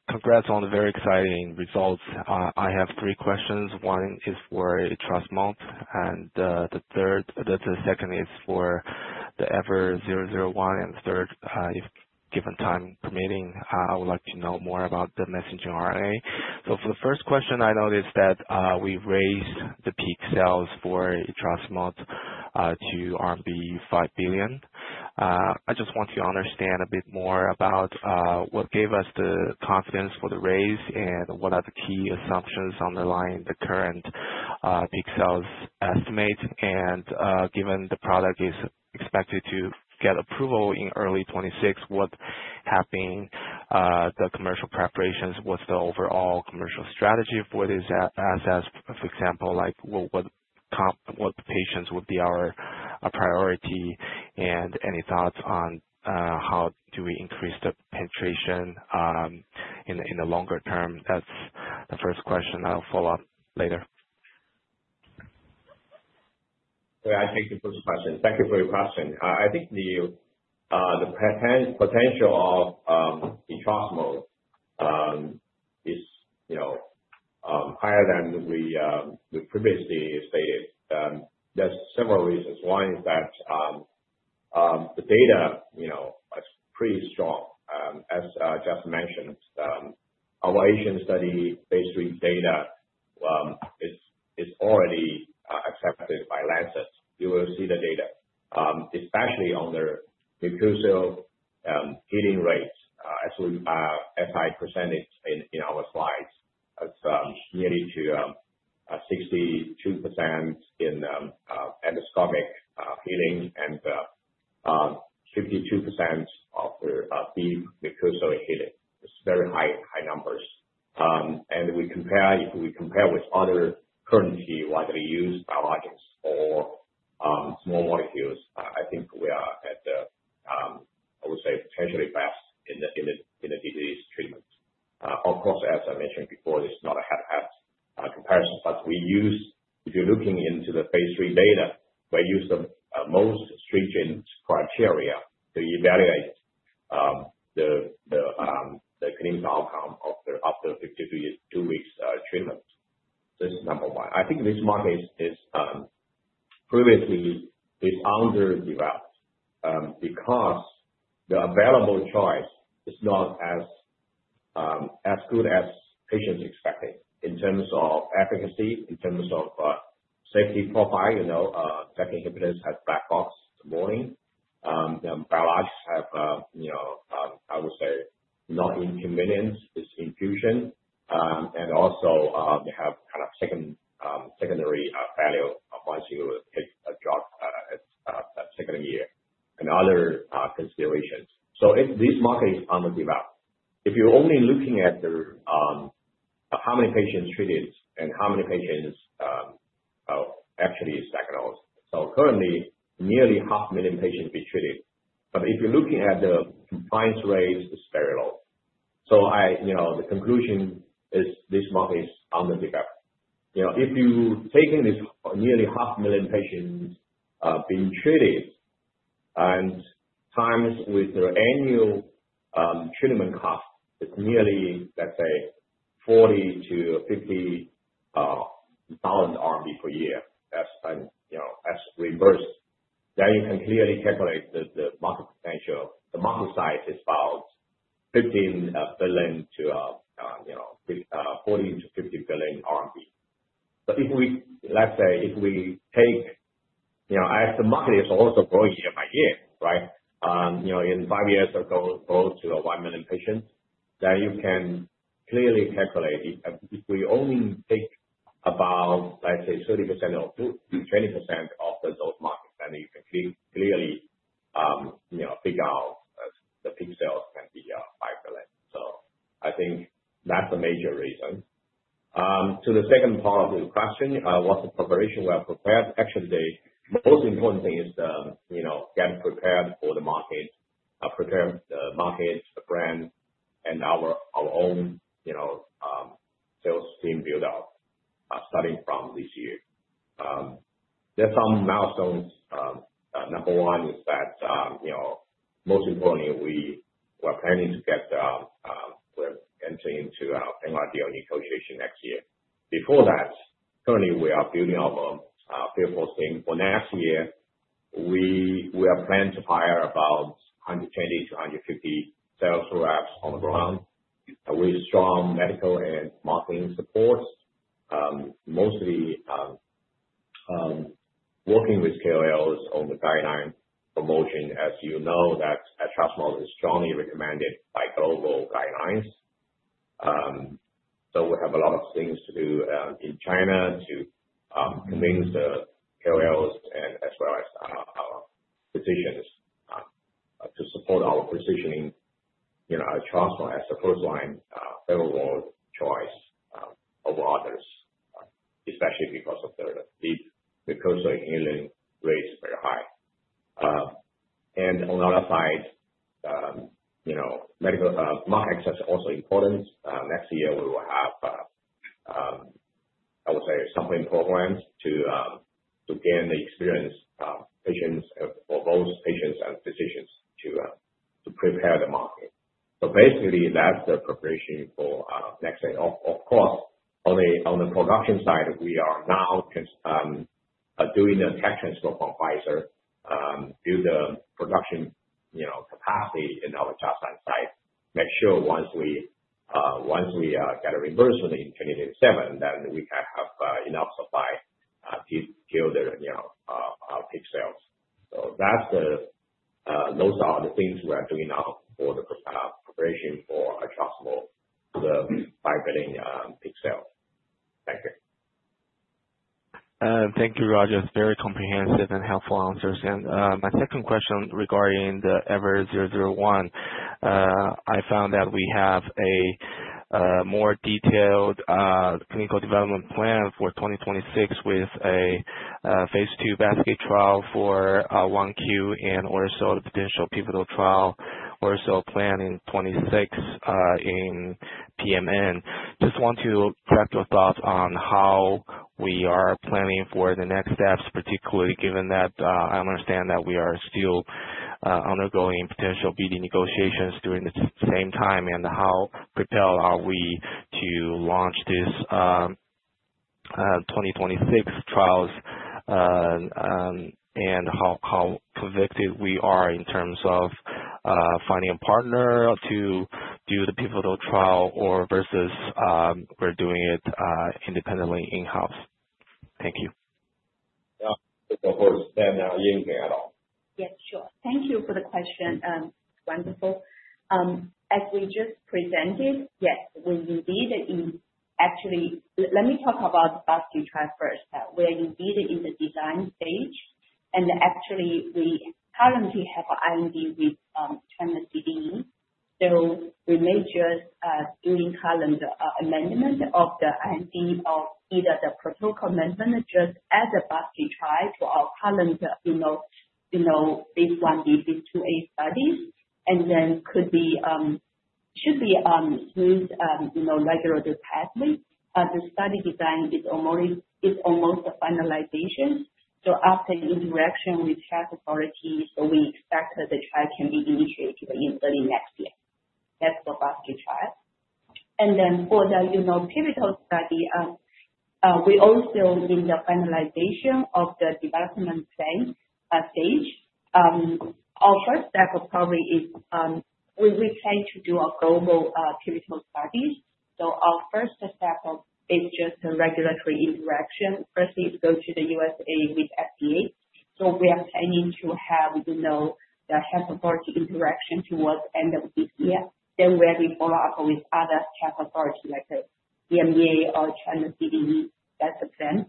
G: Congrats on the very exciting results. I have three questions. One is for VELSIPITY, and the second is for EVER001. The third, if time permitting, I would like to know more about the mRNA platform. For the first question, I noticed that we raised the peak sales for VELSIPITY to RMB 5 billion. I just want to understand a bit more about what gave us the confidence for the raise and what are the key assumptions underlying the current peak sales estimate. Given the product is expected to get approval in early 2026, what have been the commercial preparations? What's the overall commercial strategy for this asset? For example, what patients would be our priority? Any thoughts on how we increase the penetration in the longer-term? That's the first question. I'll follow up later.
D: Sorry, I take your first question. Thank you for your question. I think the potential of VELSIPITY is higher than we previously stated. There are several reasons. One is that the data is pretty strong. As Jeff mentioned, our Asian study data is already accepted by Lancet. You will see the data, especially on the mucosal healing rate. As we apply percentage in our slides, it's nearly 62% in endoscopic healing and 52% of the deep mucosal healing. Very high numbers. If we compare with other currently widely used biologics, small you know, sales team buildup starting from this year. There are some milestones. Number one is that, you know, most importantly, we are planning to get the, we're entering into NRDL negotiation next year. Before that, currently, we are building our own pivotal team. For next year, we are planning to hire about
G: a more detailed clinical development plan for 2026 with a phase II basket trial for 1Q and also the potential pivotal trial also planned in 2026 in EMN. I just want to direct your thoughts on how we are planning for the next steps, particularly. Given I understand that we are still undergoing potential BD negotiations during the same time, and how prepared are we to launch this 2026 trials, and how convicted we are in terms of finding a partner to do the pivotal trial or versus we're doing it independently in-house? Thank you.
D: Of course. And Ying et al.
E: Yes, sure. Thank you for the question. Wonderful. As we just presented, yes, we did it in, actually, let me talk about the first where we did it in the design stage. Actually, we currently have an IND with MSCB. We may just do a current amendment of the IND or either the protocol amendment just as a basket trial for our current, you know, H1B, H2A studies. It could be, should be, used, you know, regular pathways. The study design is almost at finalization. After the interaction with the health authority, only expect that the trial can be initiated in early next year. That's for a basket trial. For the typical study, we also need the finalization of the development plan stage. Our first step probably is, we plan to do our global typical studies. Our first step of interest in regulatory interaction first is to go to the U.S. with FDA. We are planning to have, you know, the health authority interaction towards the end of this year, where we follow up with other health authorities like the EMEA or China CDE, that's a plan.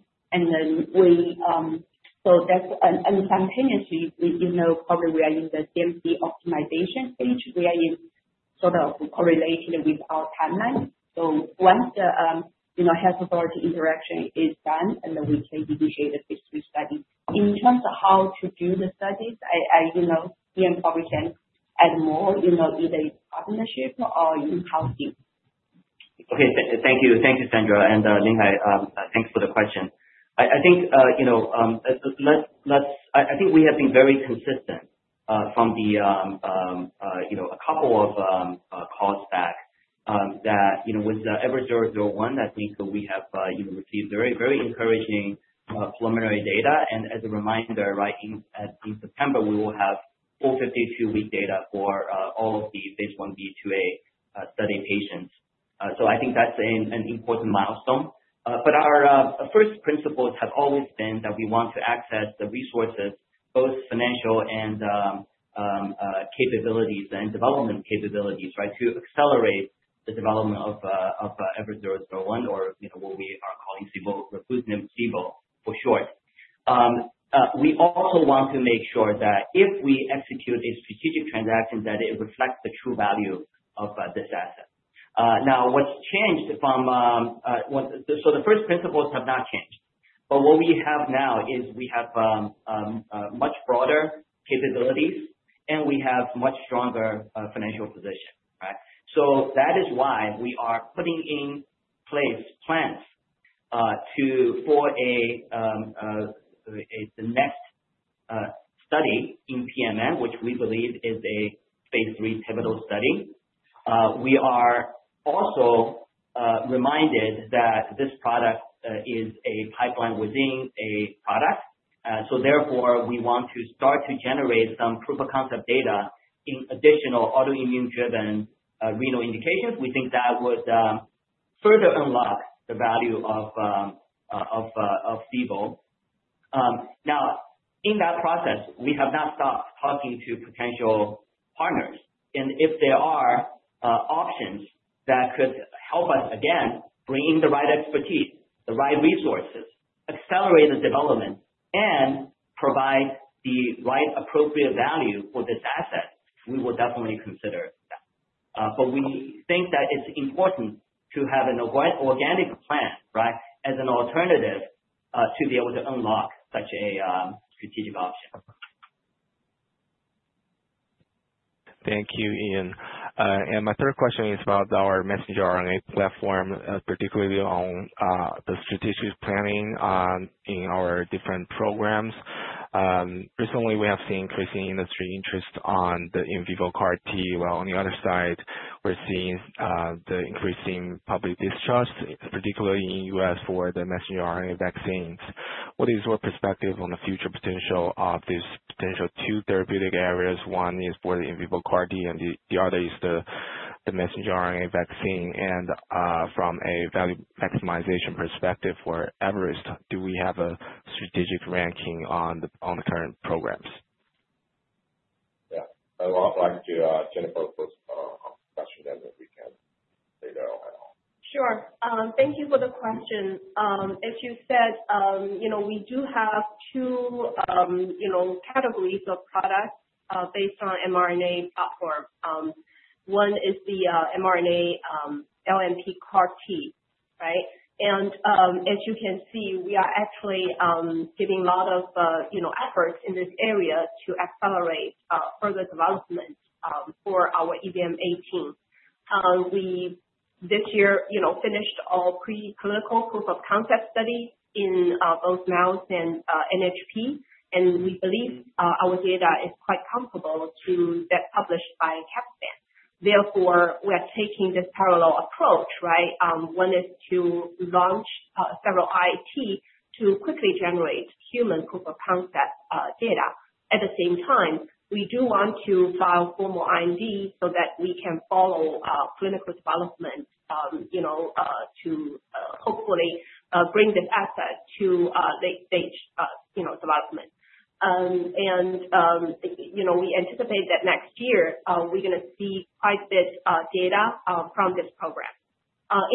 E: That's an instantaneously, you know, probably we are in the CMC optimization stage, we are in sort of correlated with our timeline. Once the, you know, health authority interaction is done, then we can initiate the phase III study. In terms of how to do the studies, I can probably add more, you know, either partnership or in-house use.
B: Okay. Thank you. Thank you, Sandra. Ling, thanks for the question. I think, you know, let's, let's, I think we have been very consistent from a couple of calls back that, you know, with the EVER001, I think we have received very, very encouraging preliminary data. As a reminder, in September, we will have all 52-week data for all of the phase I-B/II-A study patients. I think that's an important milestone. Our first principles have always been that we want to access the resources, both financial and development capabilities, to accelerate the development of EVER001, or what we are calling SIBO for short. We also want to make sure that if we execute a strategic transaction, it reflects the true value of this asset. Now, what's changed is the first principles have not changed, but what we have now is much broader capabilities and a much stronger financial position. That is why we are putting in place plans for the next study in primary membranous nephropathy, which we believe is a phase III pivotal study. We are also reminded that this product is a pipeline within a product. Therefore, we want to start to generate some proof-of-concept data in additional autoimmune-driven renal indications. We think that would further unlock the value of SIBO. In that process, we have not stopped talking to potential partners. If there are options that could help us bring in the right expertise, the right resources, accelerate the development, and provide the appropriate value for this asset, we will definitely consider that. We think that it's important to have an organic plan as an alternative to be able to unlock such a strategic option.
G: Thank you, Ian. My third question is about our mRNA platform, particularly on the strategic planning in our different programs. Recently, we have seen increasing industry interest in the in vivo CAR T. On the other side, we're seeing the increasing public discharge, particularly in the U.S. for the mRNA vaccines. What is your perspective on the future potential of these two therapeutic areas? One is for the in vivo CAR T, and the other is the mRNA vaccine. From a value maximization perspective for Everest Medicines, do we have a strategic ranking on the current programs?
D: Yeah, I'll ask you Jennifer's question, then we can lay it out.
F: Sure. Thank you for the question. As you said, you know we do have two categories of products based on mRNA platform. One is the mRNA LNP CAR T, right? As you can see, we are actually getting a lot of efforts in this area to accelerate further development for our EVM-18. We this year finished all preclinical proof of concept studies in both NAOS and NHP. We believe our data is quite comparable to that published by Capstan. Therefore, we are taking this parallel approach, right? One is to launch several IAT to quickly generate human proof of concept data. At the same time, we do want to file formal IND so that we can follow clinical development to hopefully bring this asset to late-stage development. We anticipate that next year, we're going to see quite a bit of data from this program.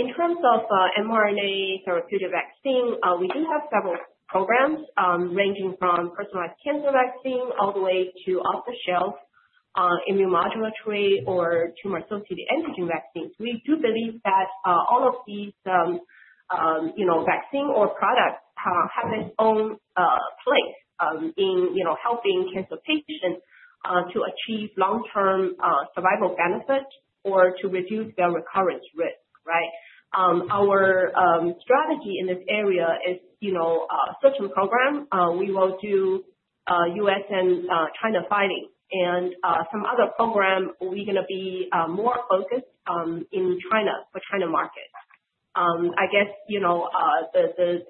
F: In terms of mRNA therapeutic vaccine, we do have several programs ranging from personalized cancer vaccine all the way to off-the-shelf immunomodulatory or tumor-associated antigen vaccines. We do believe that all of these vaccines or products have their own place in helping cancer patients to achieve long-term survival benefits or to reduce their recurrence risk, right? Our strategy in this area is a certain program. We will do U.S. and China filing. Some other programs, we're going to be more focused in China for China markets. I guess the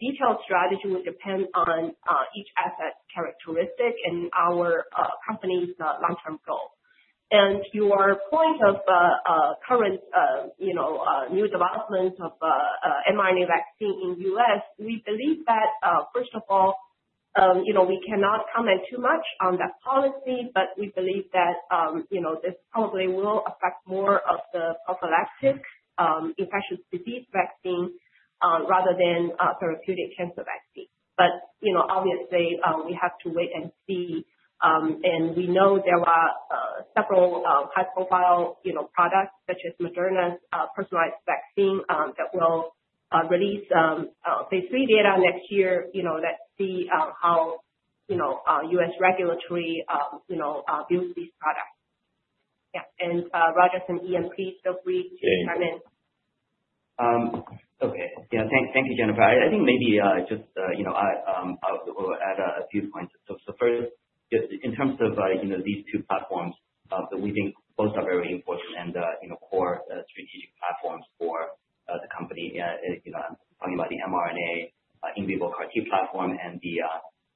F: detailed strategy would depend on each asset characteristic and our company's long-term goal. To your point of current new development of mRNA vaccine in the U.S., we believe that, first of all, we cannot comment too much on that policy, but we believe that this probably will affect more of the prophylaxis, infectious disease vaccine, rather than therapeutic cancer vaccine. Obviously, we have to wait and see. We know there are several high-profile products such as Moderna's personalized vaccine that will release phase III data next year. Let's see how U.S. regulatory builds these products. Yeah. Rogers and EMC, feel free to chime in.
B: Okay. Thank you, Jennifer. I think maybe just, you know, I'll add a few points. First, just in terms of these two platforms, we think both are very important and core strategic platforms for the company. I'm talking about the mRNA in vivo CAR T platform and the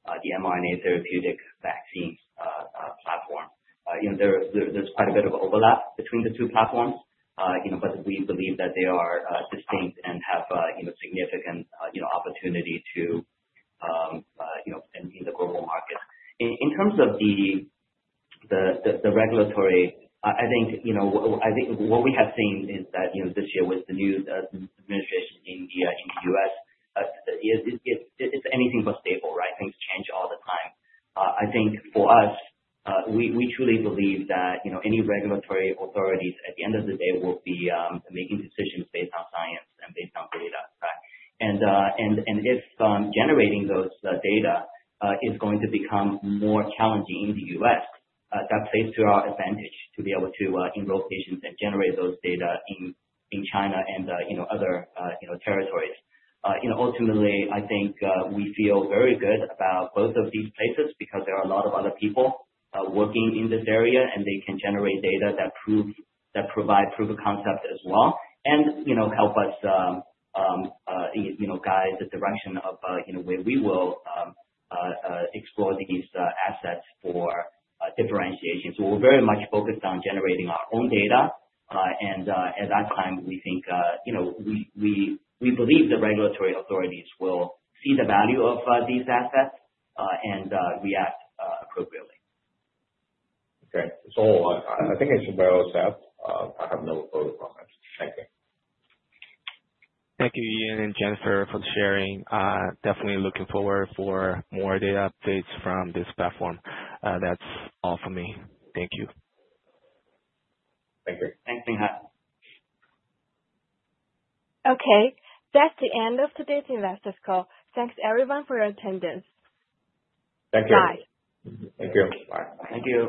B: mRNA therapeutic vaccine platform. There's quite a bit of overlap between the two platforms, but we believe that they are distinct and have significant opportunity in the global market. In terms of the regulatory, I think what we have seen is that this year with the new administration in the U.S., it's anything but stable, right? Things change all the time. I think for us, we truly believe that any regulatory authorities at the end of the day will be making decisions based on science and based on data, right? If generating those data is going to become more challenging in the U.S., that plays to our advantage to be able to enroll patients and generate those data in China and other territories. Ultimately, I think we feel very good about both of these places because there are a lot of other people working in this area, and they can generate data that provide proof of concept as well and help us guide the direction of where we will explore these assets for differentiation. We're very much focused on generating our own data. At that time, we think we believe the regulatory authorities will see the value of these assets and react appropriately.
D: Okay, I think I should know. I have no further comments. Thank you.
G: Thank you, Ian and Jennifer, for the sharing. Definitely looking forward to more data updates from this platform. That's all for me. Thank you.
B: Thank you. Thanks, Linghai.
A: Okay. That's the end of today's investors' call. Thanks, everyone, for your attendance.
D: Thank you.
A: Bye.
D: Thank you. Bye.
B: Thank you.